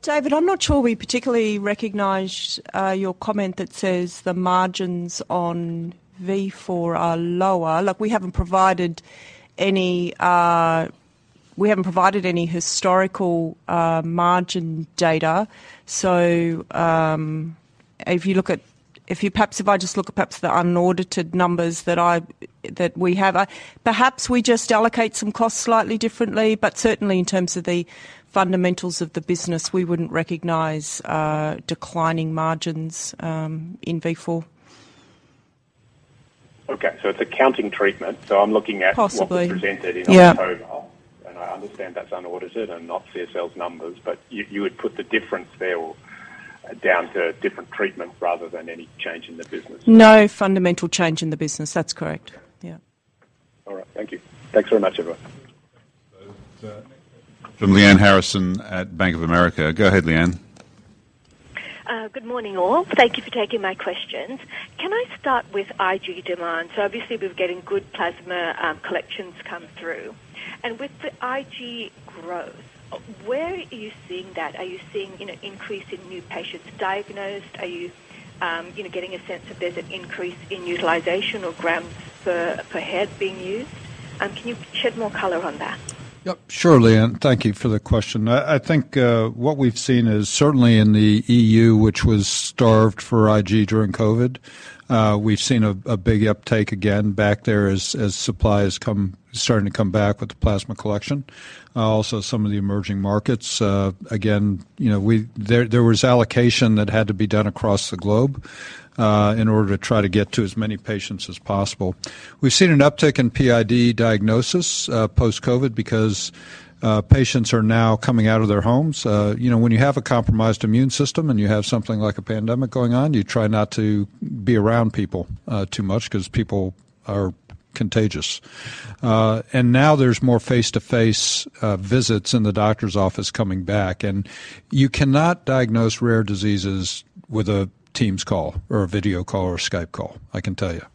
David, I'm not sure we particularly recognize your comment that says the margins on V4 are lower. Look, we haven't provided any historical margin data. If you perhaps if I just look at perhaps the unaudited numbers that I've, that we have. Perhaps we just allocate some costs slightly differently, but certainly in terms of the fundamentals of the business, we wouldn't recognize declining margins in V4. Okay. It's accounting treatment. I'm looking at. Possibly. What you presented- Yeah. In October, and I understand that's unaudited and not CSL's numbers, but you would put the difference there or down to different treatment rather than any change in the business. No fundamental change in the business. That's correct. Okay. Yeah. All right. Thank you. Thanks very much, everyone. From Lyanne Harrison at Bank of America. Go ahead, Lyanne. Good morning, all. Thank you for taking my questions. Can I start with IG demand? Obviously, we're getting good plasma, collections come through. With the IG growth, where are you seeing that? Are you seeing, you know, increase in new patients diagnosed? Are you know, getting a sense that there's an increase in utilization or grams per head being used? Can you shed more color on that? Yep. Sure, Lyanne. Thank you for the question. I think what we've seen is certainly in the EU, which was starved for IG during COVID, we've seen a big uptake again back there as supply starting to come back with the plasma collection. Also some of the emerging markets, again, you know, there was allocation that had to be done across the globe in order to try to get to as many patients as possible. We've seen an uptick in PID diagnosis post-COVID because patients are now coming out of their homes. You know, when you have a compromised immune system and you have something like a pandemic going on, you try not to be around people too much 'cause people are contagious. Now there's more face-to-face visits in the doctor's office coming back. You cannot diagnose rare diseases with a Teams call or a video call or a Skype call, I can tell you.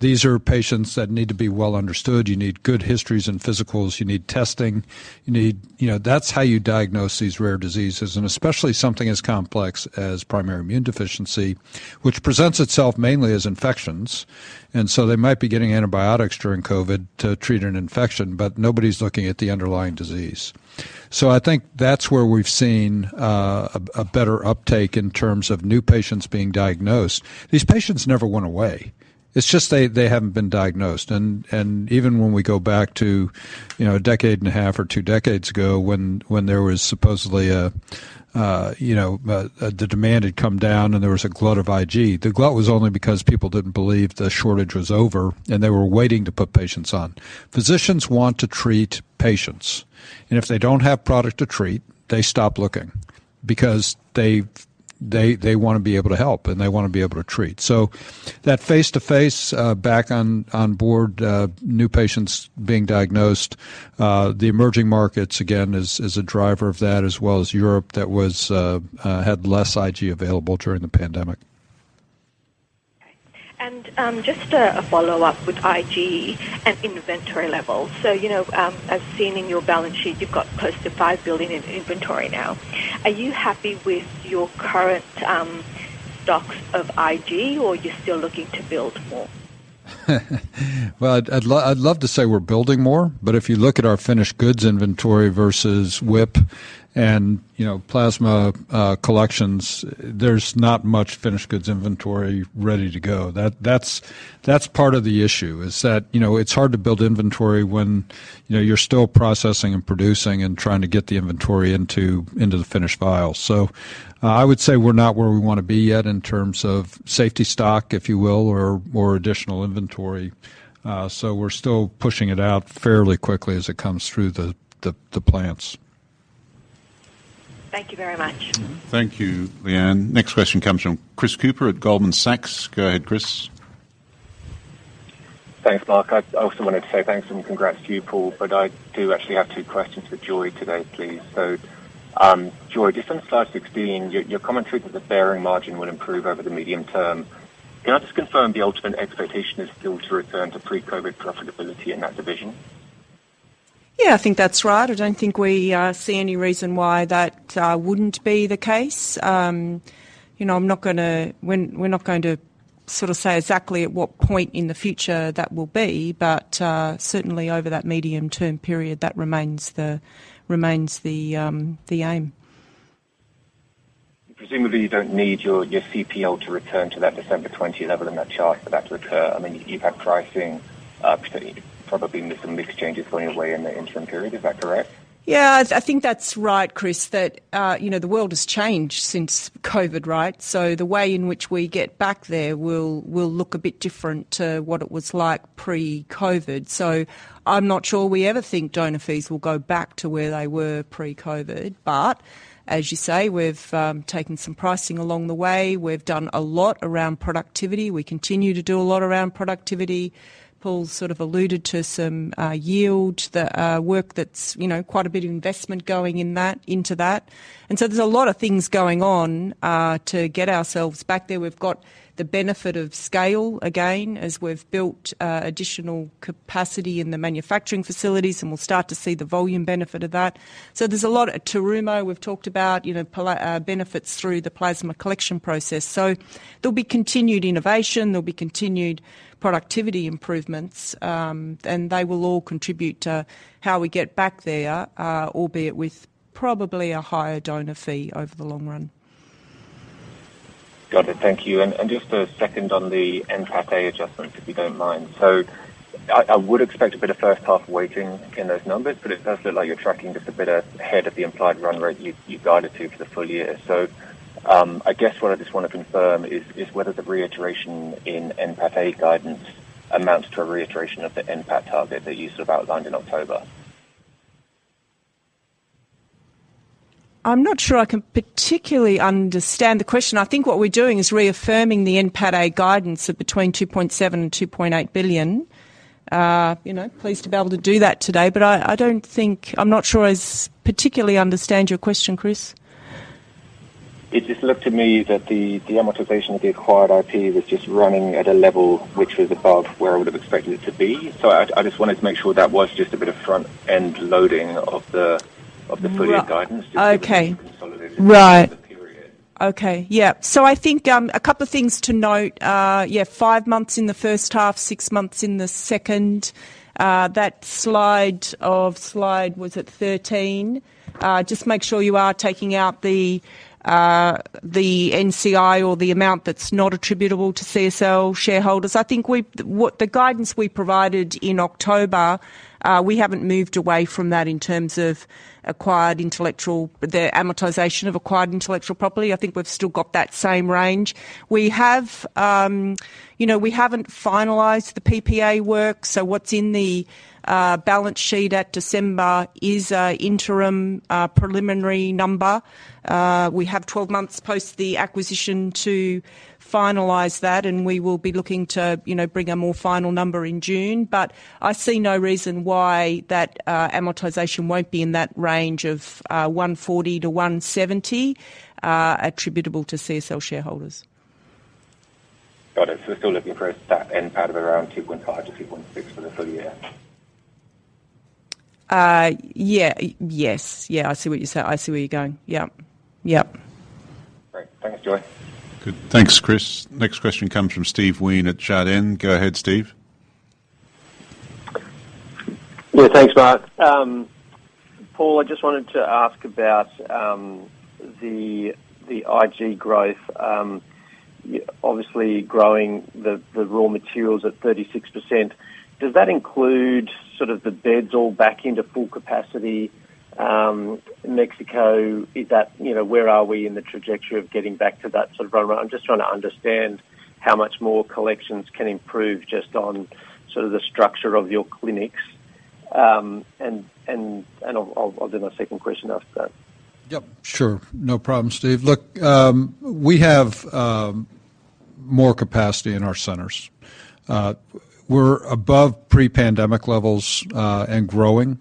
These are patients that need to be well understood. You need good histories and physicals. You need testing. You know, that's how you diagnose these rare diseases, and especially something as complex as primary immune deficiency, which presents itself mainly as infections. They might be getting antibiotics during COVID to treat an infection, but nobody's looking at the underlying disease. I think that's where we've seen, a better uptake in terms of new patients being diagnosed. These patients never went away. It's just they haven't been diagnosed. Even when we go back to, you know, a decade and a half or two decades ago when there was supposedly, you know, the demand had come down and there was a glut of IG. The glut was only because people didn't believe the shortage was over, and they were waiting to put patients on. Physicians want to treat patients. If they don't have product to treat, they stop looking because they wanna be able to help and they wanna be able to treat. That face-to-face back on board, new patients being diagnosed, the emerging markets, again, is a driver of that as well as Europe that was had less IG available during the pandemic. Okay. Just a follow-up with IG and inventory levels. You know, as seen in your balance sheet, you've got close to $5 billion in inventory now. Are you happy with your current stocks of IG, or you're still looking to build more? Well, I'd love to say we're building more, but if you look at our finished goods inventory versus WIP and, you know, plasma collections, there's not much finished goods inventory ready to go. That's, that's part of the issue, is that, you know, it's hard to build inventory when, you know, you're still processing and producing and trying to get the inventory into the finished vials. I would say we're not where we wanna be yet in terms of safety stock, if you will, or more additional inventory. We're still pushing it out fairly quickly as it comes through the plants. Thank you very much. Mm-hmm. Thank you, Leanne. Next question comes from Chris Cooper at Goldman Sachs. Go ahead, Chris. Thanks, Mark. I also wanted to say thanks and congrats to you, Paul, but I do actually have two questions for Joy today, please. Joy, just on slide 16, your commentary that Behring margin will improve over the medium term. Can I just confirm the ultimate expectation is still to return to pre-COVID profitability in that division? I think that's right. I don't think we see any reason why that wouldn't be the case. You know, we're not going to sort of say exactly at what point in the future that will be, but certainly over that medium-term period, that remains the aim. Presumably, you don't need your CPL to return to that December 20 level in that chart for that to occur. I mean, you've had pricing, probably with some mix changes going your way in the interim period. Is that correct? Yeah. I think that's right, Chris, that, you know, the world has changed since COVID, right? The way in which we get back there will look a bit different to what it was like pre-COVID. I'm not sure we ever think donor fees will go back to where they were pre-COVID. As you say, we've taken some pricing along the way. We've done a lot around productivity. We continue to do a lot around productivity. Paul sort of alluded to some yield work that's, you know, quite a bit of investment going into that. There's a lot of things going on to get ourselves back there. We've got the benefit of scale again as we've built additional capacity in the manufacturing facilities, and we'll start to see the volume benefit of that. There's a lot. Terumo, we've talked about, you know, benefits through the plasma collection process. There'll be continued innovation. There'll be continued productivity improvements. They will all contribute to how we get back there, albeit with probably a higher donor fee over the long run. Got it. Thank you. Just a second on the NPAT A adjustments, if you don't mind. I would expect a bit of first half weighting in those numbers, but it does look like you're tracking just a bit ahead of the implied run rate you guided to for the full year. I guess what I just wanna confirm is whether the reiteration in NPAT A guidance amounts to a reiteration of the NPAT target that you sort of outlined in October. I'm not sure I can particularly understand the question. I think what we're doing is reaffirming the NPAT A guidance of between $2.7 billion and $2.8 billion. you know, pleased to be able to do that today, but I don't think, I'm not sure I particularly understand your question, Chris. It just looked to me that the amortization of the acquired IP was just running at a level which was above where I would have expected it to be. I just wanted to make sure that was just a bit of front-end loading of the, of the full year guidance. Okay. Just consolidated- Right. For the period. Okay. Yeah. I think a couple of things to note. Yeah, five months in the first half, six months in the second. Slide, was it 13? Just make sure you are taking out the NCI or the amount that's not attributable to CSL shareholders. I think the guidance we provided in October, we haven't moved away from that in terms of the amortization of acquired intellectual property. I think we've still got that same range. We have. You know, we haven't finalized the PPA work. What's in the balance sheet at December is an interim, preliminary number. We have 12 months post the acquisition to finalize that. We will be looking to, you know, bring a more final number in June.I see no reason why that amortization won't be in that range of $140 million-$170 million attributable to CSL shareholders. Got it. We're still looking for a stat NPAT of around $2.5-$2.6 for the full year? Yeah. Yes. Yeah, I see where you're going. Yep. Great. Thanks, Joy. Good. Thanks, Chris. Next question comes from Steve Wheen at Jarden. Go ahead, Steve. Thanks, Mark. Paul, I just wanted to ask about the IG growth. Obviously growing the raw materials at 36%, does that include sort of the beds all back into full capacity, Mexico? Is that, you know, where are we in the trajectory of getting back to that sort of run? I'm just trying to understand how much more collections can improve just on sort of the structure of your clinics. And I'll do my second question after that. Yep, sure. No problem, Steve. We have more capacity in our centers. We're above pre-pandemic levels and growing.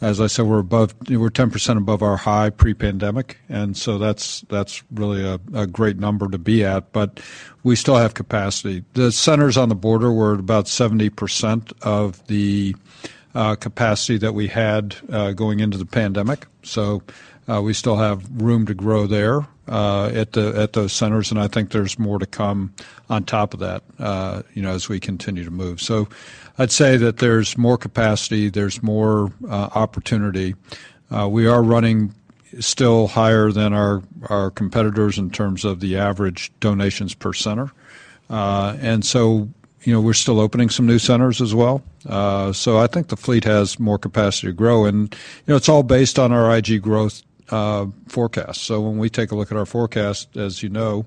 As I said, We're 10% above our high pre-pandemic, that's really a great number to be at, but we still have capacity. The centers on the border were at about 70% of the capacity that we had going into the pandemic. We still have room to grow there at those centers, and I think there's more to come on top of that, you know, as we continue to move. I'd say that there's more capacity, there's more opportunity. We are running still higher than our competitors in terms of the average donations per center. You know, we're still opening some new centers as well. I think the fleet has more capacity to grow. You know, it's all based on our IG growth forecast. When we take a look at our forecast, as you know,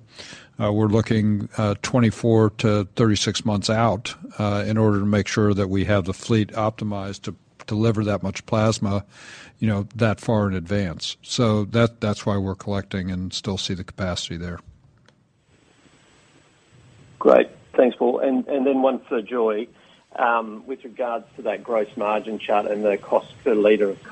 we're looking 24-36 months out in order to make sure that we have the fleet optimized to deliver that much plasma, you know, that far in advance. That's why we're collecting and still see the capacity there. Great. Thanks, Paul. Then one for Joy. With regards to that gross margin chart and the cost per liter of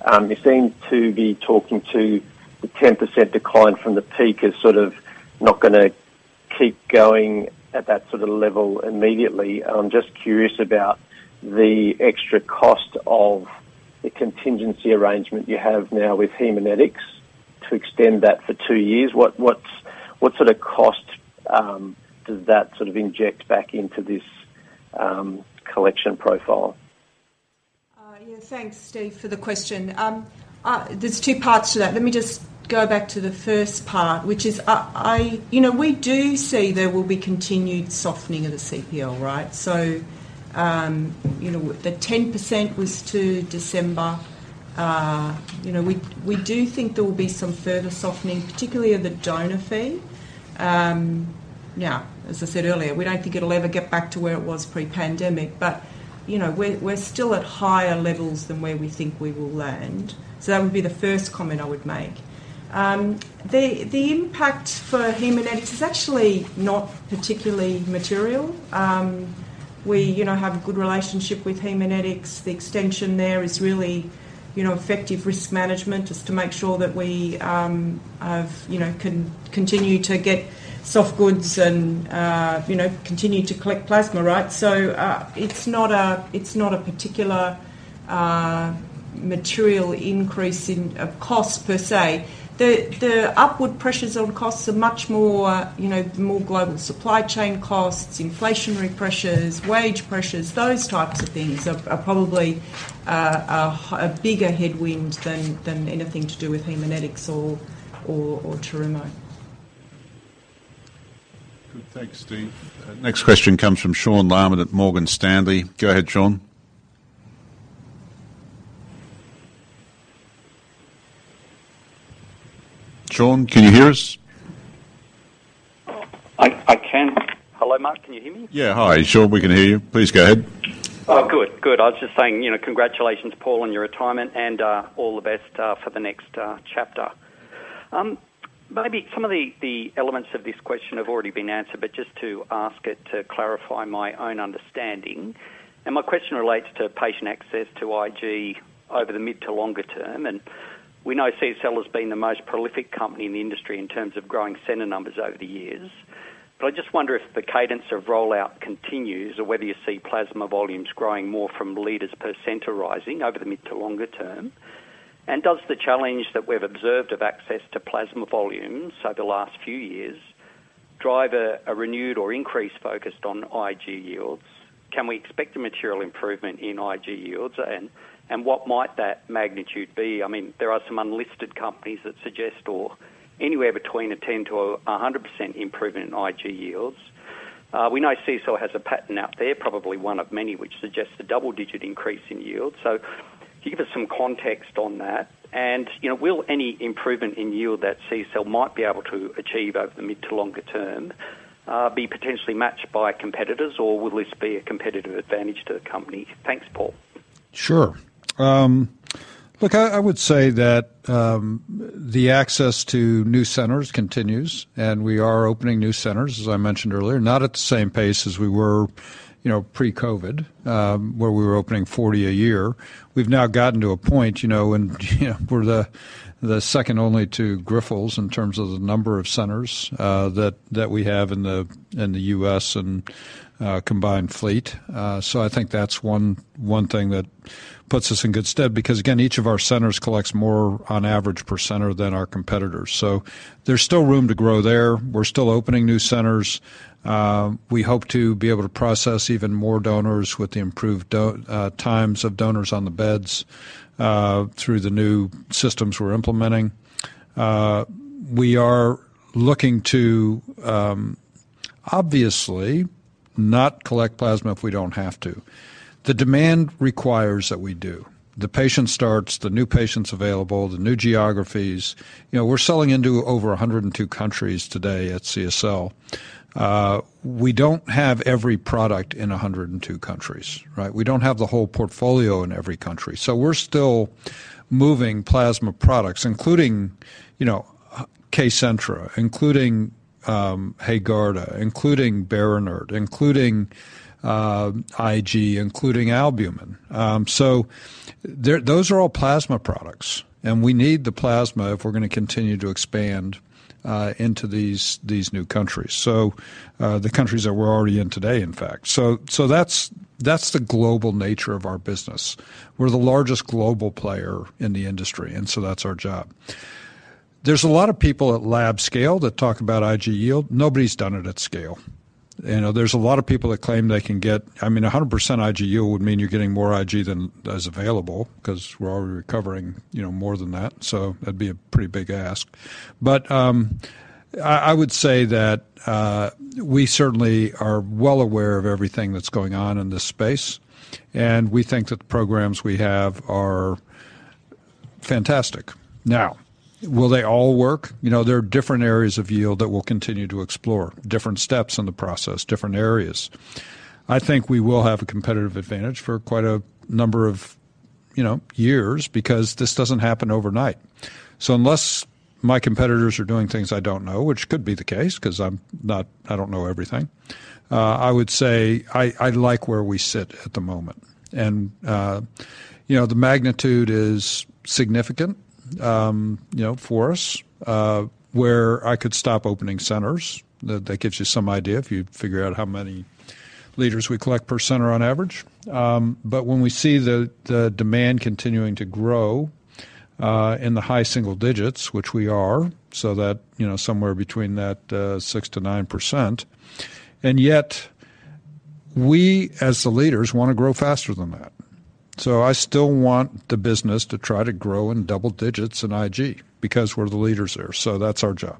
collection, you seem to be talking to the 10% decline from the peak as sort of not gonna keep going at that sort of level immediately. I'm just curious about the extra cost of the contingency arrangement you have now with Haemonetics to extend that for two years. What sort of cost does that sort of inject back into this collection profile? Yeah. Thanks, Steve, for the question. There's two parts to that. Let me just go back to the first part, which is you know, we do see there will be continued softening of the CPL, right? You know, the 10% was to December. You know, we do think there will be some further softening, particularly of the donor fee. Now, as I said earlier, we don't think it'll ever get back to where it was pre-pandemic but, you know, we're still at higher levels than where we think we will land. That would be the first comment I would make. The impact for Haemonetics is actually not particularly material. We, you know, have a good relationship with Haemonetics. The extension there is really, you know, effective risk management just to make sure that we have, you know, continue to get soft goods and, you know, continue to collect plasma, right? It's not a, it's not a particular, material increase in cost per se. The upward pressures on costs are much more, you know, more global supply chain costs, inflationary pressures, wage pressures. Those types of things are probably a bigger headwind than anything to do with Haemonetics or Terumo. Good. Thanks, Steve. Next question comes from Sean Laaman at Morgan Stanley. Go ahead, Sean. Sean, can you hear us? I can. Hello, Mark, can you hear me? Yeah. Hi, Sean. We can hear you. Please go ahead. Oh, good. Good. I was just saying, you know, congratulations, Paul, on your retirement and all the best for the next chapter. Maybe some of the elements of this question have already been answered, but just to ask it to clarify my own understanding. My question relates to patient access to IG over the mid to longer term. We know CSL has been the most prolific company in the industry in terms of growing center numbers over the years. I just wonder if the cadence of rollout continues or whether you see plasma volumes growing more from liters per center rising over the mid to longer term. Does the challenge that we've observed of access to plasma volumes over the last few years drive a renewed or increased focus on IG yields? Can we expect a material improvement in IG yields? And what might that magnitude be? I mean, there are some unlisted companies that suggest or anywhere between a 10%-100% improvement in IG yields. We know CSL has a pattern out there, probably one of many, which suggests a double-digit increase in yield. Give us some context on that. You know, will any improvement in yield that CSL might be able to achieve over the mid to longer term, be potentially matched by competitors, or will this be a competitive advantage to the company? Thanks, Paul. Sure. Look, I would say that the access to new centers continues, and we are opening new centers, as I mentioned earlier, not at the same pace as we were pre-COVID, where we were opening 40 a year. We've now gotten to a point, and we're the second only to Grifols in terms of the number of centers that we have in the US and combined fleet. I think that's one thing that puts us in good stead because, again, each of our centers collects more on average per center than our competitors. There's still room to grow there. We're still opening new centers. We hope to be able to process even more donors with the improved times of donors on the beds through the new systems we're implementing. We are looking to obviously not collect plasma if we don't have to. The demand requires that we do. The patient starts, the new patients available, the new geographies. You know, we're selling into over 102 countries today at CSL. We don't have every product in 102 countries, right? We don't have the whole portfolio in every country. We're still moving plasma products, including, you know, KCENTRA, including HAEGARDA, including BERINERT, including IG, including albumin. Those are all plasma products, and we need the plasma if we're gonna continue to expand into these new countries. The countries that we're already in today, in fact. That's the global nature of our business. We're the largest global player in the industry, and that's our job. There's a lot of people at lab scale that talk about IG yield. Nobody's done it at scale. You know, there's a lot of people that claim they can get. I mean, 100% IG yield would mean you're getting more IG than is available because we're already recovering, you know, more than that'd be a pretty big ask. I would say that we certainly are well aware of everything that's going on in this space, and we think that the programs we have are fantastic. Now, will they all work? You know, there are different areas of yield that we'll continue to explore, different steps in the process, different areas. I think we will have a competitive advantage for quite a number of, you know, years because this doesn't happen overnight. Unless my competitors are doing things I don't know, which could be the case because I don't know everything, I would say I like where we sit at the moment. You know, the magnitude is significant, you know, for us, where I could stop opening centers. That gives you some idea if you figure out how many liters we collect per center on average. When we see the demand continuing to grow, in the high single digits, which we are, so that, you know, somewhere between that, 6%-9%, and yet we, as the leaders, want to grow faster than that. I still want the business to try to grow in double digits in IG because we're the leaders there, so that's our job.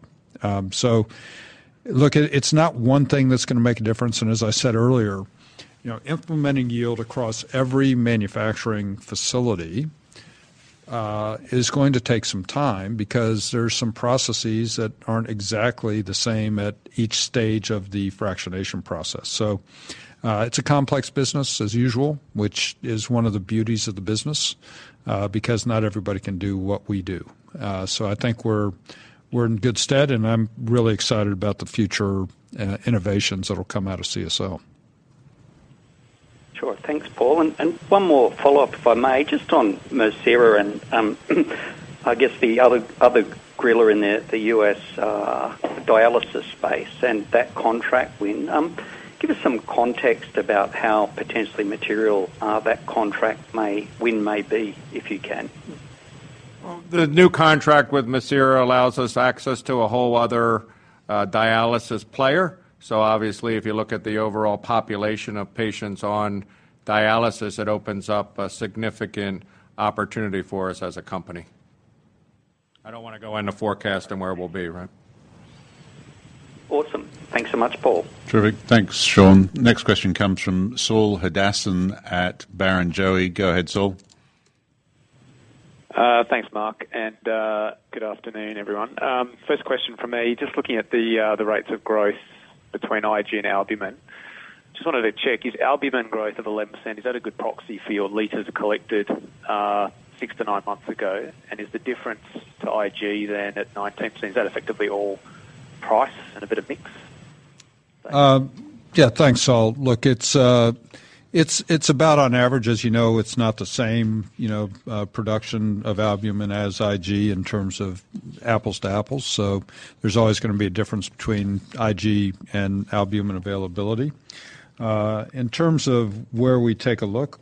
Look, it's not one thing that's gonna make a difference, and as I said earlier, you know, implementing yield across every manufacturing facility, is going to take some time because there's some processes that aren't exactly the same at each stage of the fractionation process. It's a complex business as usual, which is one of the beauties of the business, because not everybody can do what we do.I think we're in good stead, and I'm really excited about the future, innovations that'll come out of CSL. Sure. Thanks, Paul. One more follow-up, if I may, just on MIRCERA and, I guess the other griller in the U.S. dialysis space and that contract win. Give us some context about how potentially material, that contract may win, may be, if you can. Well, the new contract with MIRCERA allows us access to a whole other dialysis player. Obviously, if you look at the overall population of patients on dialysis, it opens up a significant opportunity for us as a company. I don't wanna go into forecast and where we'll be, right? Awesome. Thanks so much, Paul. Terrific. Thanks, Sean. Next question comes from Saul Hadassin at Barrenjoey. Go ahead, Saul. Thanks, Mark, and good afternoon, everyone. First question from me, just looking at the rates of growth between IG and albumin. Just wanted to check, is albumin growth of 11%, is that a good proxy for your liters collected, 6-9 months ago? Is the difference to IG then at 19%, is that effectively all price and a bit of mix? Yeah, thanks, Saul. Look, it's about on average, as you know, it's not the same, you know, production of albumin as IG in terms of apples to apples. There's always gonna be a difference between IG and albumin availability. In terms of where we take a look,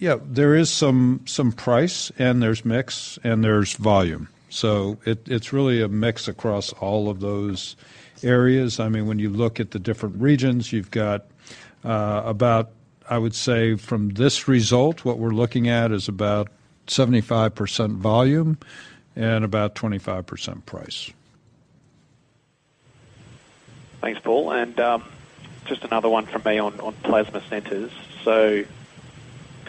yeah, there is some price and there's mix and there's volume. It's really a mix across all of those areas. I mean, when you look at the different regions, you've got about, I would say from this result, what we're looking at is about 75% volume and about 25% price. Thanks, Paul. Just another one from me on plasma centers. The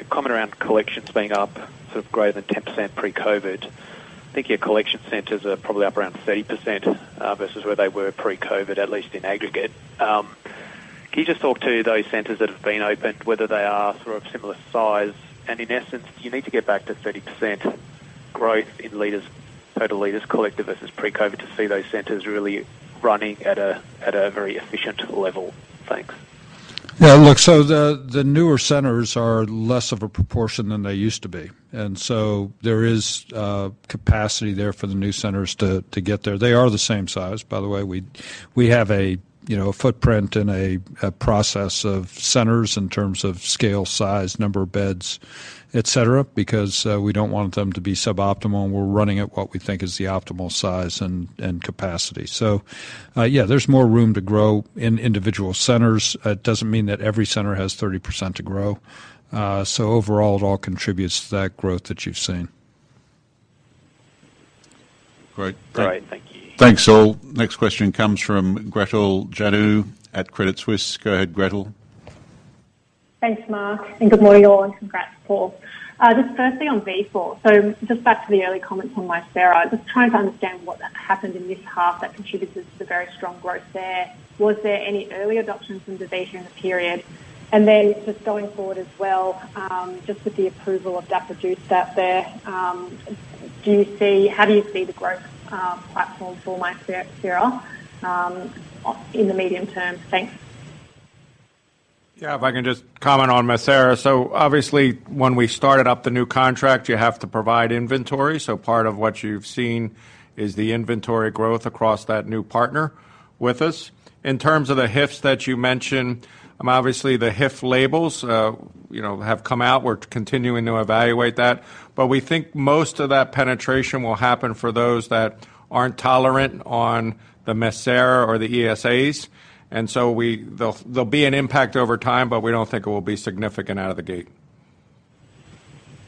comment around collections being up sort of greater than 10% pre-COVID, I think your collection centers are probably up around 30% versus where they were pre-COVID, at least in aggregate. Can you just talk to those centers that have been opened, whether they are sort of similar size and in essence, you need to get back to 30% growth in leaders, total leaders collective versus pre-COVID to see those centers really running at a very efficient level. Thanks. The newer centers are less of a proportion than they used to be, there is capacity there for the new centers to get there. They are the same size, by the way. We have a, you know, a footprint and a process of centers in terms of scale, size, number of beds, etc. We don't want them to be suboptimal, and we're running at what we think is the optimal size and capacity. There's more room to grow in individual centers. It doesn't mean that every center has 30% to grow. Overall, it all contributes to that growth that you've seen. Great. Great. Thank you. Thanks all. Next question comes from Gretel Janu at Credit Suisse. Go ahead, Gretel. Thanks, Mark, good morning all and congrats, Paul. Firstly on CSL Vifor. Back to the early comments on MIRCERA, trying to understand what happened in this half that contributed to the very strong growth there. Was there any early adoption from DaVita in the period? Going forward as well, with the approval of dapagliflozin out there, how do you see the growth platform for MIRCERA in the medium term? Thanks. If I can just comment on MIRCERA. Obviously when we started up the new contract, you have to provide inventory. Part of what you've seen is the inventory growth across that new partner with us. In terms of the HIFs that you mentioned, obviously the HIF labels, you know, have come out. We're continuing to evaluate that, but we think most of that penetration will happen for those that aren't tolerant on the MIRCERA or the ESAs. They'll be an impact over time, but we don't think it will be significant out of the gate.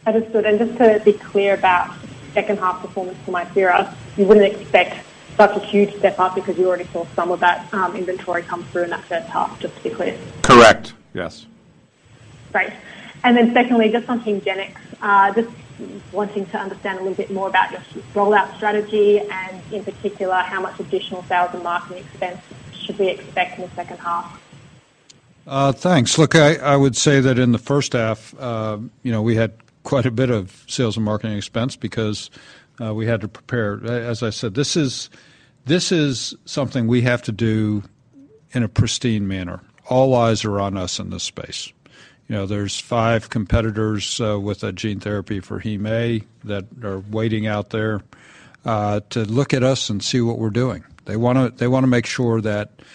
Understood. just to be clear about second half performance for MIRCERA, you wouldn't expect such a huge step up because you already saw some of that inventory come through in that first half, just to be clear? Correct. Yes. Great. Then secondly, just on HAEGARDA, just wanting to understand a little bit more about your rollout strategy and in particular, how much additional sales and marketing expense should we expect in the second half? Thanks. I would say that in the first half, you know, we had quite a bit of sales and marketing expense because we had to prepare. As I said, this is something we have to do in a pristine manner. All eyes are on us in this space. You know, there's five competitors with a gene therapy for Hema that are waiting out there to look at us and see what we're doing. They wanna make sure that, you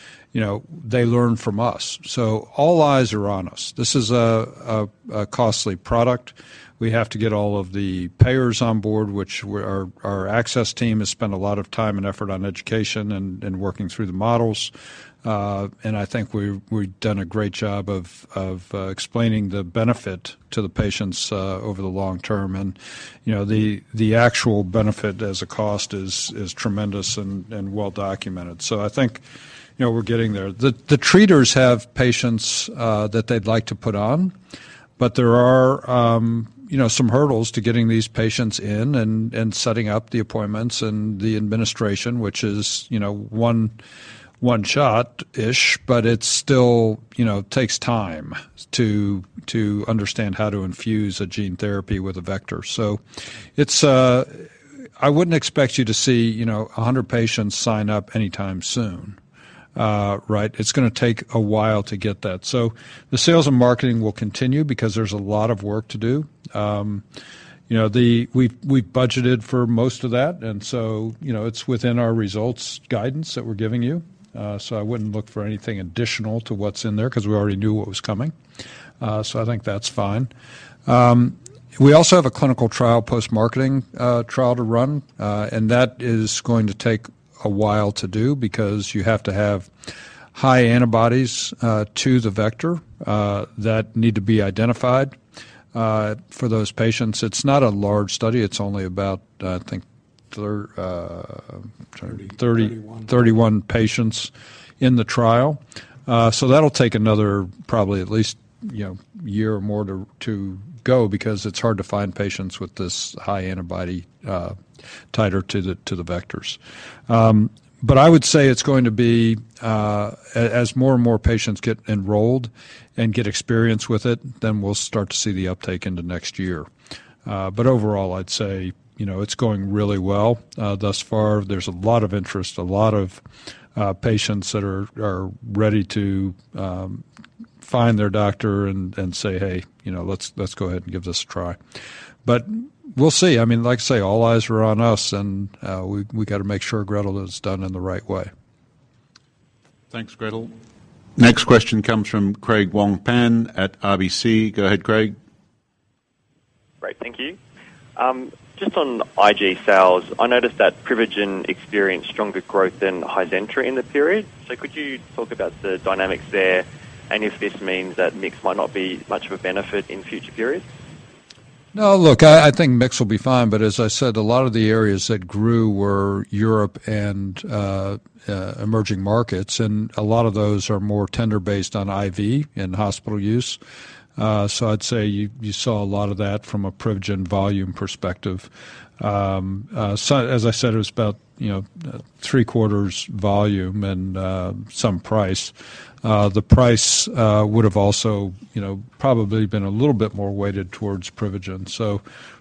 know, they learn from us. All eyes are on us. This is a costly product. We have to get all of the payers on board, which our access team has spent a lot of time and effort on education and working through the models. I think we've done a great job of explaining the benefit to the patients over the long term. You know, the actual benefit as a cost is tremendous and well documented. I think, you know, we're getting there. The treaters have patients that they'd like to put on, but there are, you know, some hurdles to getting these patients in and setting up the appointments and the administration, which is, you know, 1 shot-ish, but it still, you know, takes time to understand how to infuse a gene therapy with a vector. I wouldn't expect you to see, you know, 100 patients sign up anytime soon. Right? It's gonna take a while to get that. The sales and marketing will continue because there's a lot of work to do. you know, we've budgeted for most of that, and so, you know, it's within our results guidance that we're giving you. I wouldn't look for anything additional to what's in there because we already knew what was coming. I think that's fine. We also have a clinical trial, post-marketing, trial to run, and that is going to take a while to do because you have to have high antibodies to the vector that need to be identified for those patients. It's not a large study. It's only about, I think, Thirty- Thirty- 31... 31 patients in the trial. That'll take another probably at least, you know, year or more to go because it's hard to find patients with this high antibody titer to the vectors. I would say it's going to be as more and more patients get enrolled and get experience with it, then we'll start to see the uptake into next year. Overall, I'd say, you know, it's going really well. Thus far, there's a lot of interest, a lot of patients that are ready to find their doctor and say, "Hey, you know, let's go ahead and give this a try." We'll see. I mean, like I say, all eyes are on us and we got to make sure Gretel is done in the right way. Thanks, Gretel. Next question comes from Craig Wong-Pan at RBC. Go ahead, Craig. Great. Thank you. Just on IG sales, I noticed that Privigen experienced stronger growth than HIZENTRA in the period. Could you talk about the dynamics there and if this means that mix might not be much of a benefit in future periods? No, look, I think mix will be fine, but as I said, a lot of the areas that grew were Europe and emerging markets, and a lot of those are more tender-based on IV and hospital use. I'd say you saw a lot of that from a Privigen volume perspective. As I said, it was about, you know, three-quarters volume and some price. The price would have also, you know, probably been a little bit more weighted towards Privigen.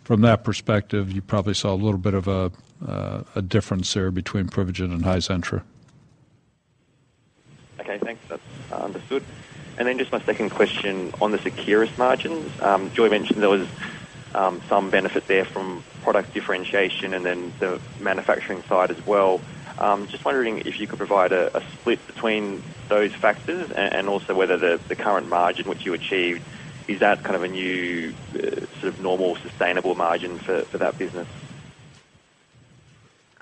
From that perspective, you probably saw a little bit of a difference there between Privigen and Hizentra. That's understood. Just my second question on the Seqirus margins. Joy mentioned there was some benefit there from product differentiation and then the manufacturing side as well. Just wondering if you could provide a split between those factors and also whether the current margin which you achieved, is that kind of a new sort of normal sustainable margin for that business?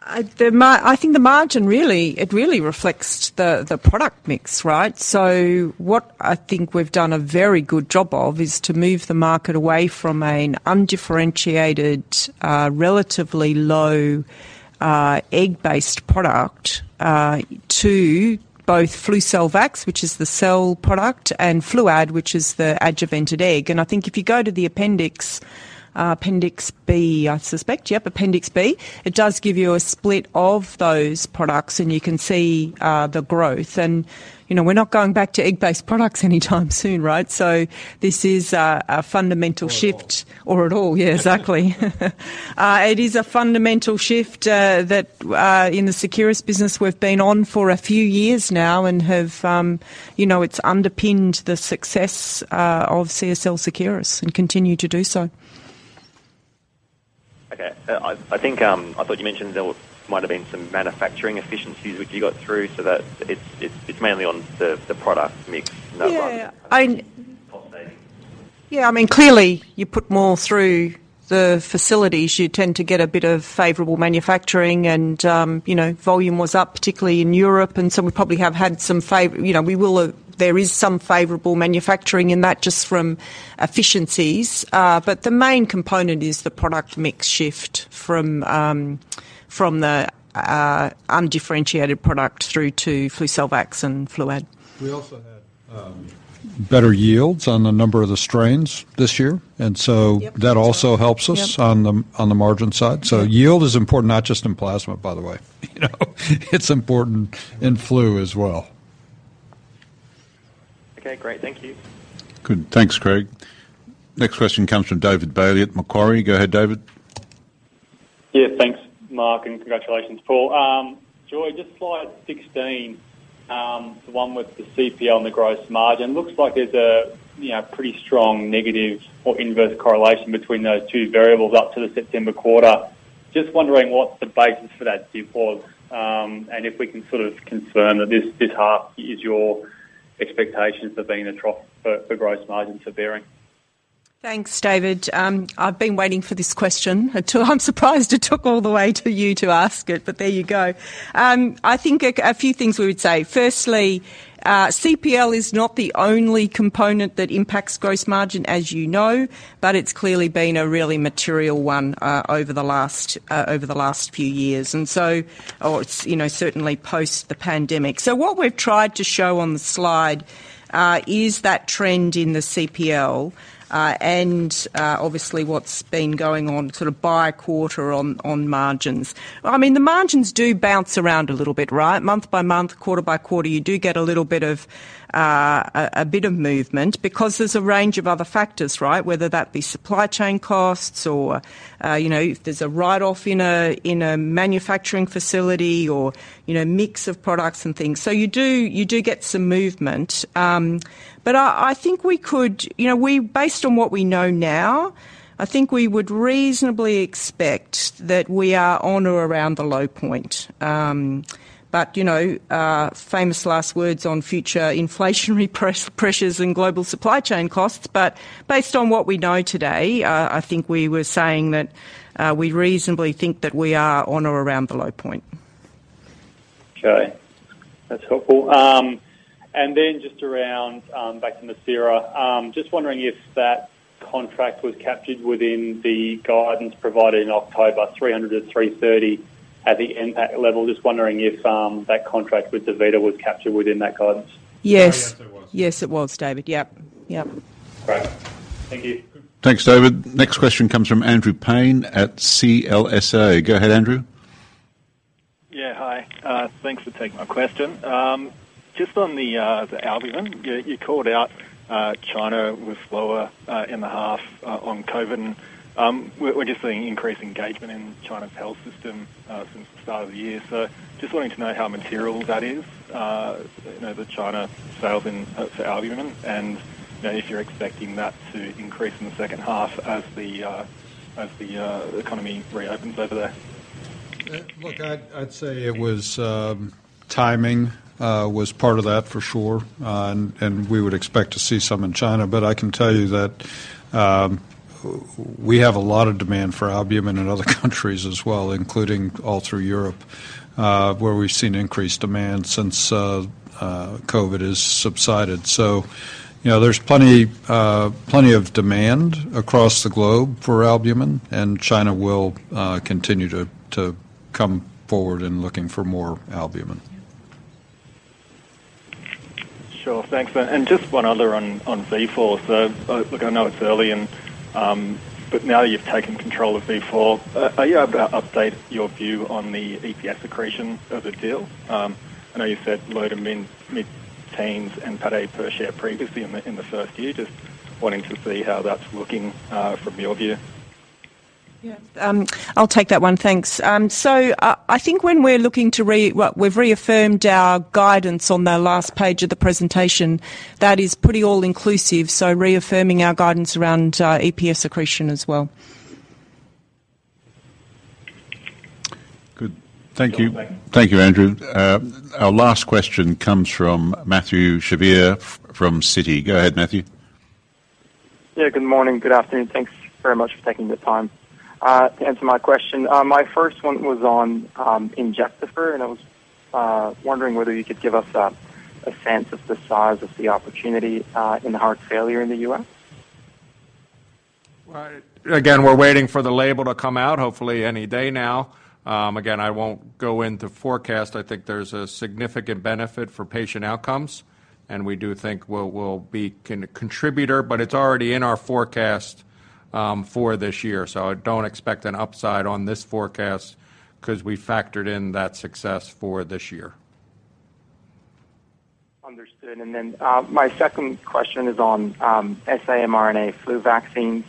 I think the margin really, it really reflects the product mix, right? What I think we've done a very good job of is to move the market away from an undifferentiated, relatively low, egg-based product, to both FLUCELVAX, which is the cell product, and Fluad, which is the adjuvanted egg. I think if you go to the appendix B, I suspect. Yep, appendix B, it does give you a split of those products, and you can see the growth. You know, we're not going back to egg-based products anytime soon, right? This is a fundamental shift- At all. Yeah, exactly. It is a fundamental shift that in the Seqirus business we've been on for a few years now and have, you know, it's underpinned the success of CSL Seqirus and continue to do so. Okay. I think I thought you mentioned there might've been some manufacturing efficiencies which you got through so that it's mainly on the product mix. Yeah. cost saving. Yeah, I mean, clearly, you put more through the facilities, you tend to get a bit of favorable manufacturing and, you know, volume was up, particularly in Europe, so you know, we will, there is some favorable manufacturing in that just from efficiencies. The main component is the product mix shift from the undifferentiated product through to FLUCELVAX and Fluad. We also had better yields on a number of the strains this year. Yep. that also helps us. Yep. on the margin side. Yield is important, not just in plasma, by the way. You know? It's important in flu as well. Okay, great. Thank you. Good. Thanks, Craig. Next question comes from David Bailey at Macquarie. Go ahead, David. Yeah. Thanks, Mark, and congratulations, Paul. Joy, just slide 16, the one with the CPL and the gross margin. Looks like there's a, you know, pretty strong negative or inverse correlation between those two variables up to the September quarter. Just wondering what the basis for that dip was, and if we can sort of confirm that this half is your expectations of being a trough for gross margins for Behring. Thanks, David. I've been waiting for this question until I'm surprised it took all the way to you to ask it, but there you go. I think a few things we would say. Firstly, CPL is not the only component that impacts gross margin, as you know, but it's clearly been a really material one over the last few years. It's, you know, certainly post the pandemic. What we've tried to show on the slide is that trend in the CPL, and obviously what's been going on sort of by quarter on margins. I mean, the margins do bounce around a little bit, right? Month by month, quarter by quarter, you do get a little bit of a bit of movement because there's a range of other factors, right? Whether that be supply chain costs or, you know, if there's a write-off in a, in a manufacturing facility or, you know, mix of products and things. You do get some movement. I think we could, you know, based on what we know now, I think we would reasonably expect that we are on or around the low point. You know, famous last words on future inflationary pressures and global supply chain costs. Based on what we know today, I think we were saying that, we reasonably think that we are on or around the low point. Okay. That's helpful. Then just around back to MIRCERA. Just wondering if that contract was captured within the guidance provided in October, $300 and $330 at the impact level? Just wondering if that contract with DaVita was captured within that guidance? Yes.Oh, yes, it was. Yes, it was, David. Yep. Yep. Great. Thank you. Thanks, David. Next question comes from Andrew Paine at CLSA. Go ahead, Andrew. Yeah. Hi. Thanks for taking my question. Just on the albumin, you called out China was lower in the half on COVID. We're just seeing increased engagement in China's health system since the start of the year. Just wanting to know how material that is, you know, the China sales in for albumin and, you know, if you're expecting that to increase in the second half as the economy reopens over there? Look, I'd say it was timing was part of that for sure. We would expect to see some in China. I can tell you that we have a lot of demand for albumin in other countries as well, including all through Europe, where we've seen increased demand since COVID has subsided. You know, there's plenty of demand across the globe for albumin, and China will continue to come forward in looking for more albumin. Sure. Thanks. Just one other on Vifor. Look, I know it's early and, but now you've taken control of Vifor, are you able to update your view on the EPS accretion of the deal? I know you've said low to mid-teens and payday per share previously in the first year. Just wanting to see how that's looking, from your view. Yeah, I'll take that one. Thanks. I think when we're looking Well, we've reaffirmed our guidance on the last page of the presentation. That is pretty all-inclusive, so reaffirming our guidance around EPS accretion as well. Good. Thank you. Thank you, Andrew. Our last question comes from Mathieu Chevrier from Citi. Go ahead, Matthew. Yeah. Good morning. Good afternoon. Thanks very much for taking the time to answer my question. My first one was on Injectafer, and I was wondering whether you could give us a sense of the size of the opportunity in heart failure in the US. Well, again, we're waiting for the label to come out, hopefully any day now. Again, I won't go into forecast. I think there's a significant benefit for patient outcomes, and we do think we'll be contributor, but it's already in our forecast for this year. I don't expect an upside on this forecast 'cause we factored in that success for this year. Understood. My second question is on saRNA flu vaccines.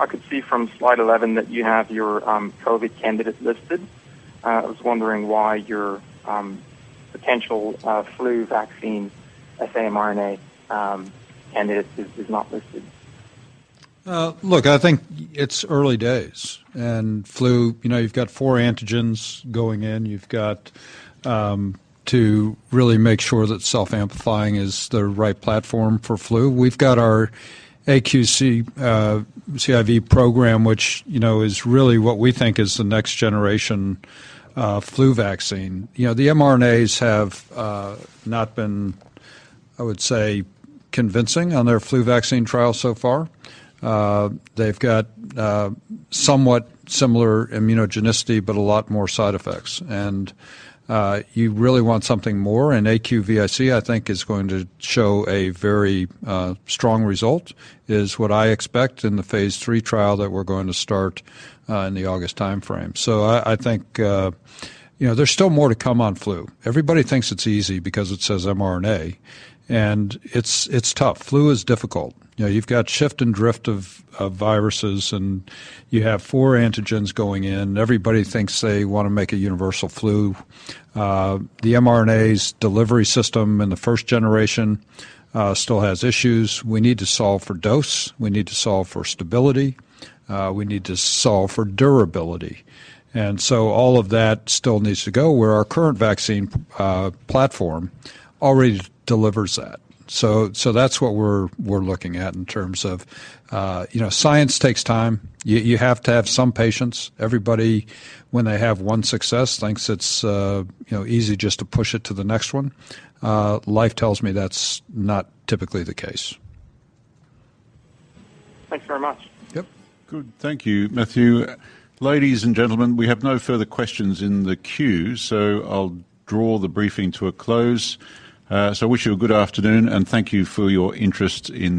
I could see from slide 11 that you have your COVID candidate listed. I was wondering why your potential flu vaccine saRNA candidate is not listed. Look, I think it's early days. Flu, you know, you've got four antigens going in. You've got to really make sure that self-amplifying is the right platform for flu. We've got our aQIVc program, which, you know, is really what we think is the next generation flu vaccine. You know, the mRNAs have not been, I would say, convincing on their flu vaccine trial so far. They've got somewhat similar immunogenicity but a lot more side effects. You really want something more. aQIVc, I think, is going to show a very strong result, is what I expect in the phase III trial that we're going to start in the August timeframe. I think, you know, there's still more to come on flu. Everybody thinks it's easy because it says mRNA, and it's tough. Flu is difficult. You know, you've got shift and drift of viruses, and you have four antigens going in. Everybody thinks they wanna make a universal flu. The mRNA's delivery system in the first generation still has issues. We need to solve for dose, we need to solve for stability, we need to solve for durability. All of that still needs to go, where our current vaccine platform already delivers that. That's what we're looking at in terms of. You know, science takes time. You have to have some patience. Everybody, when they have one success, thinks it's, you know, easy just to push it to the next one. Life tells me that's not typically the case. Thanks very much. Yep. Good. Thank you, Matthew. Ladies and gentlemen, we have no further questions in the queue, so I'll draw the briefing to a close. I wish you a good afternoon, and thank you for your interest in Moderna.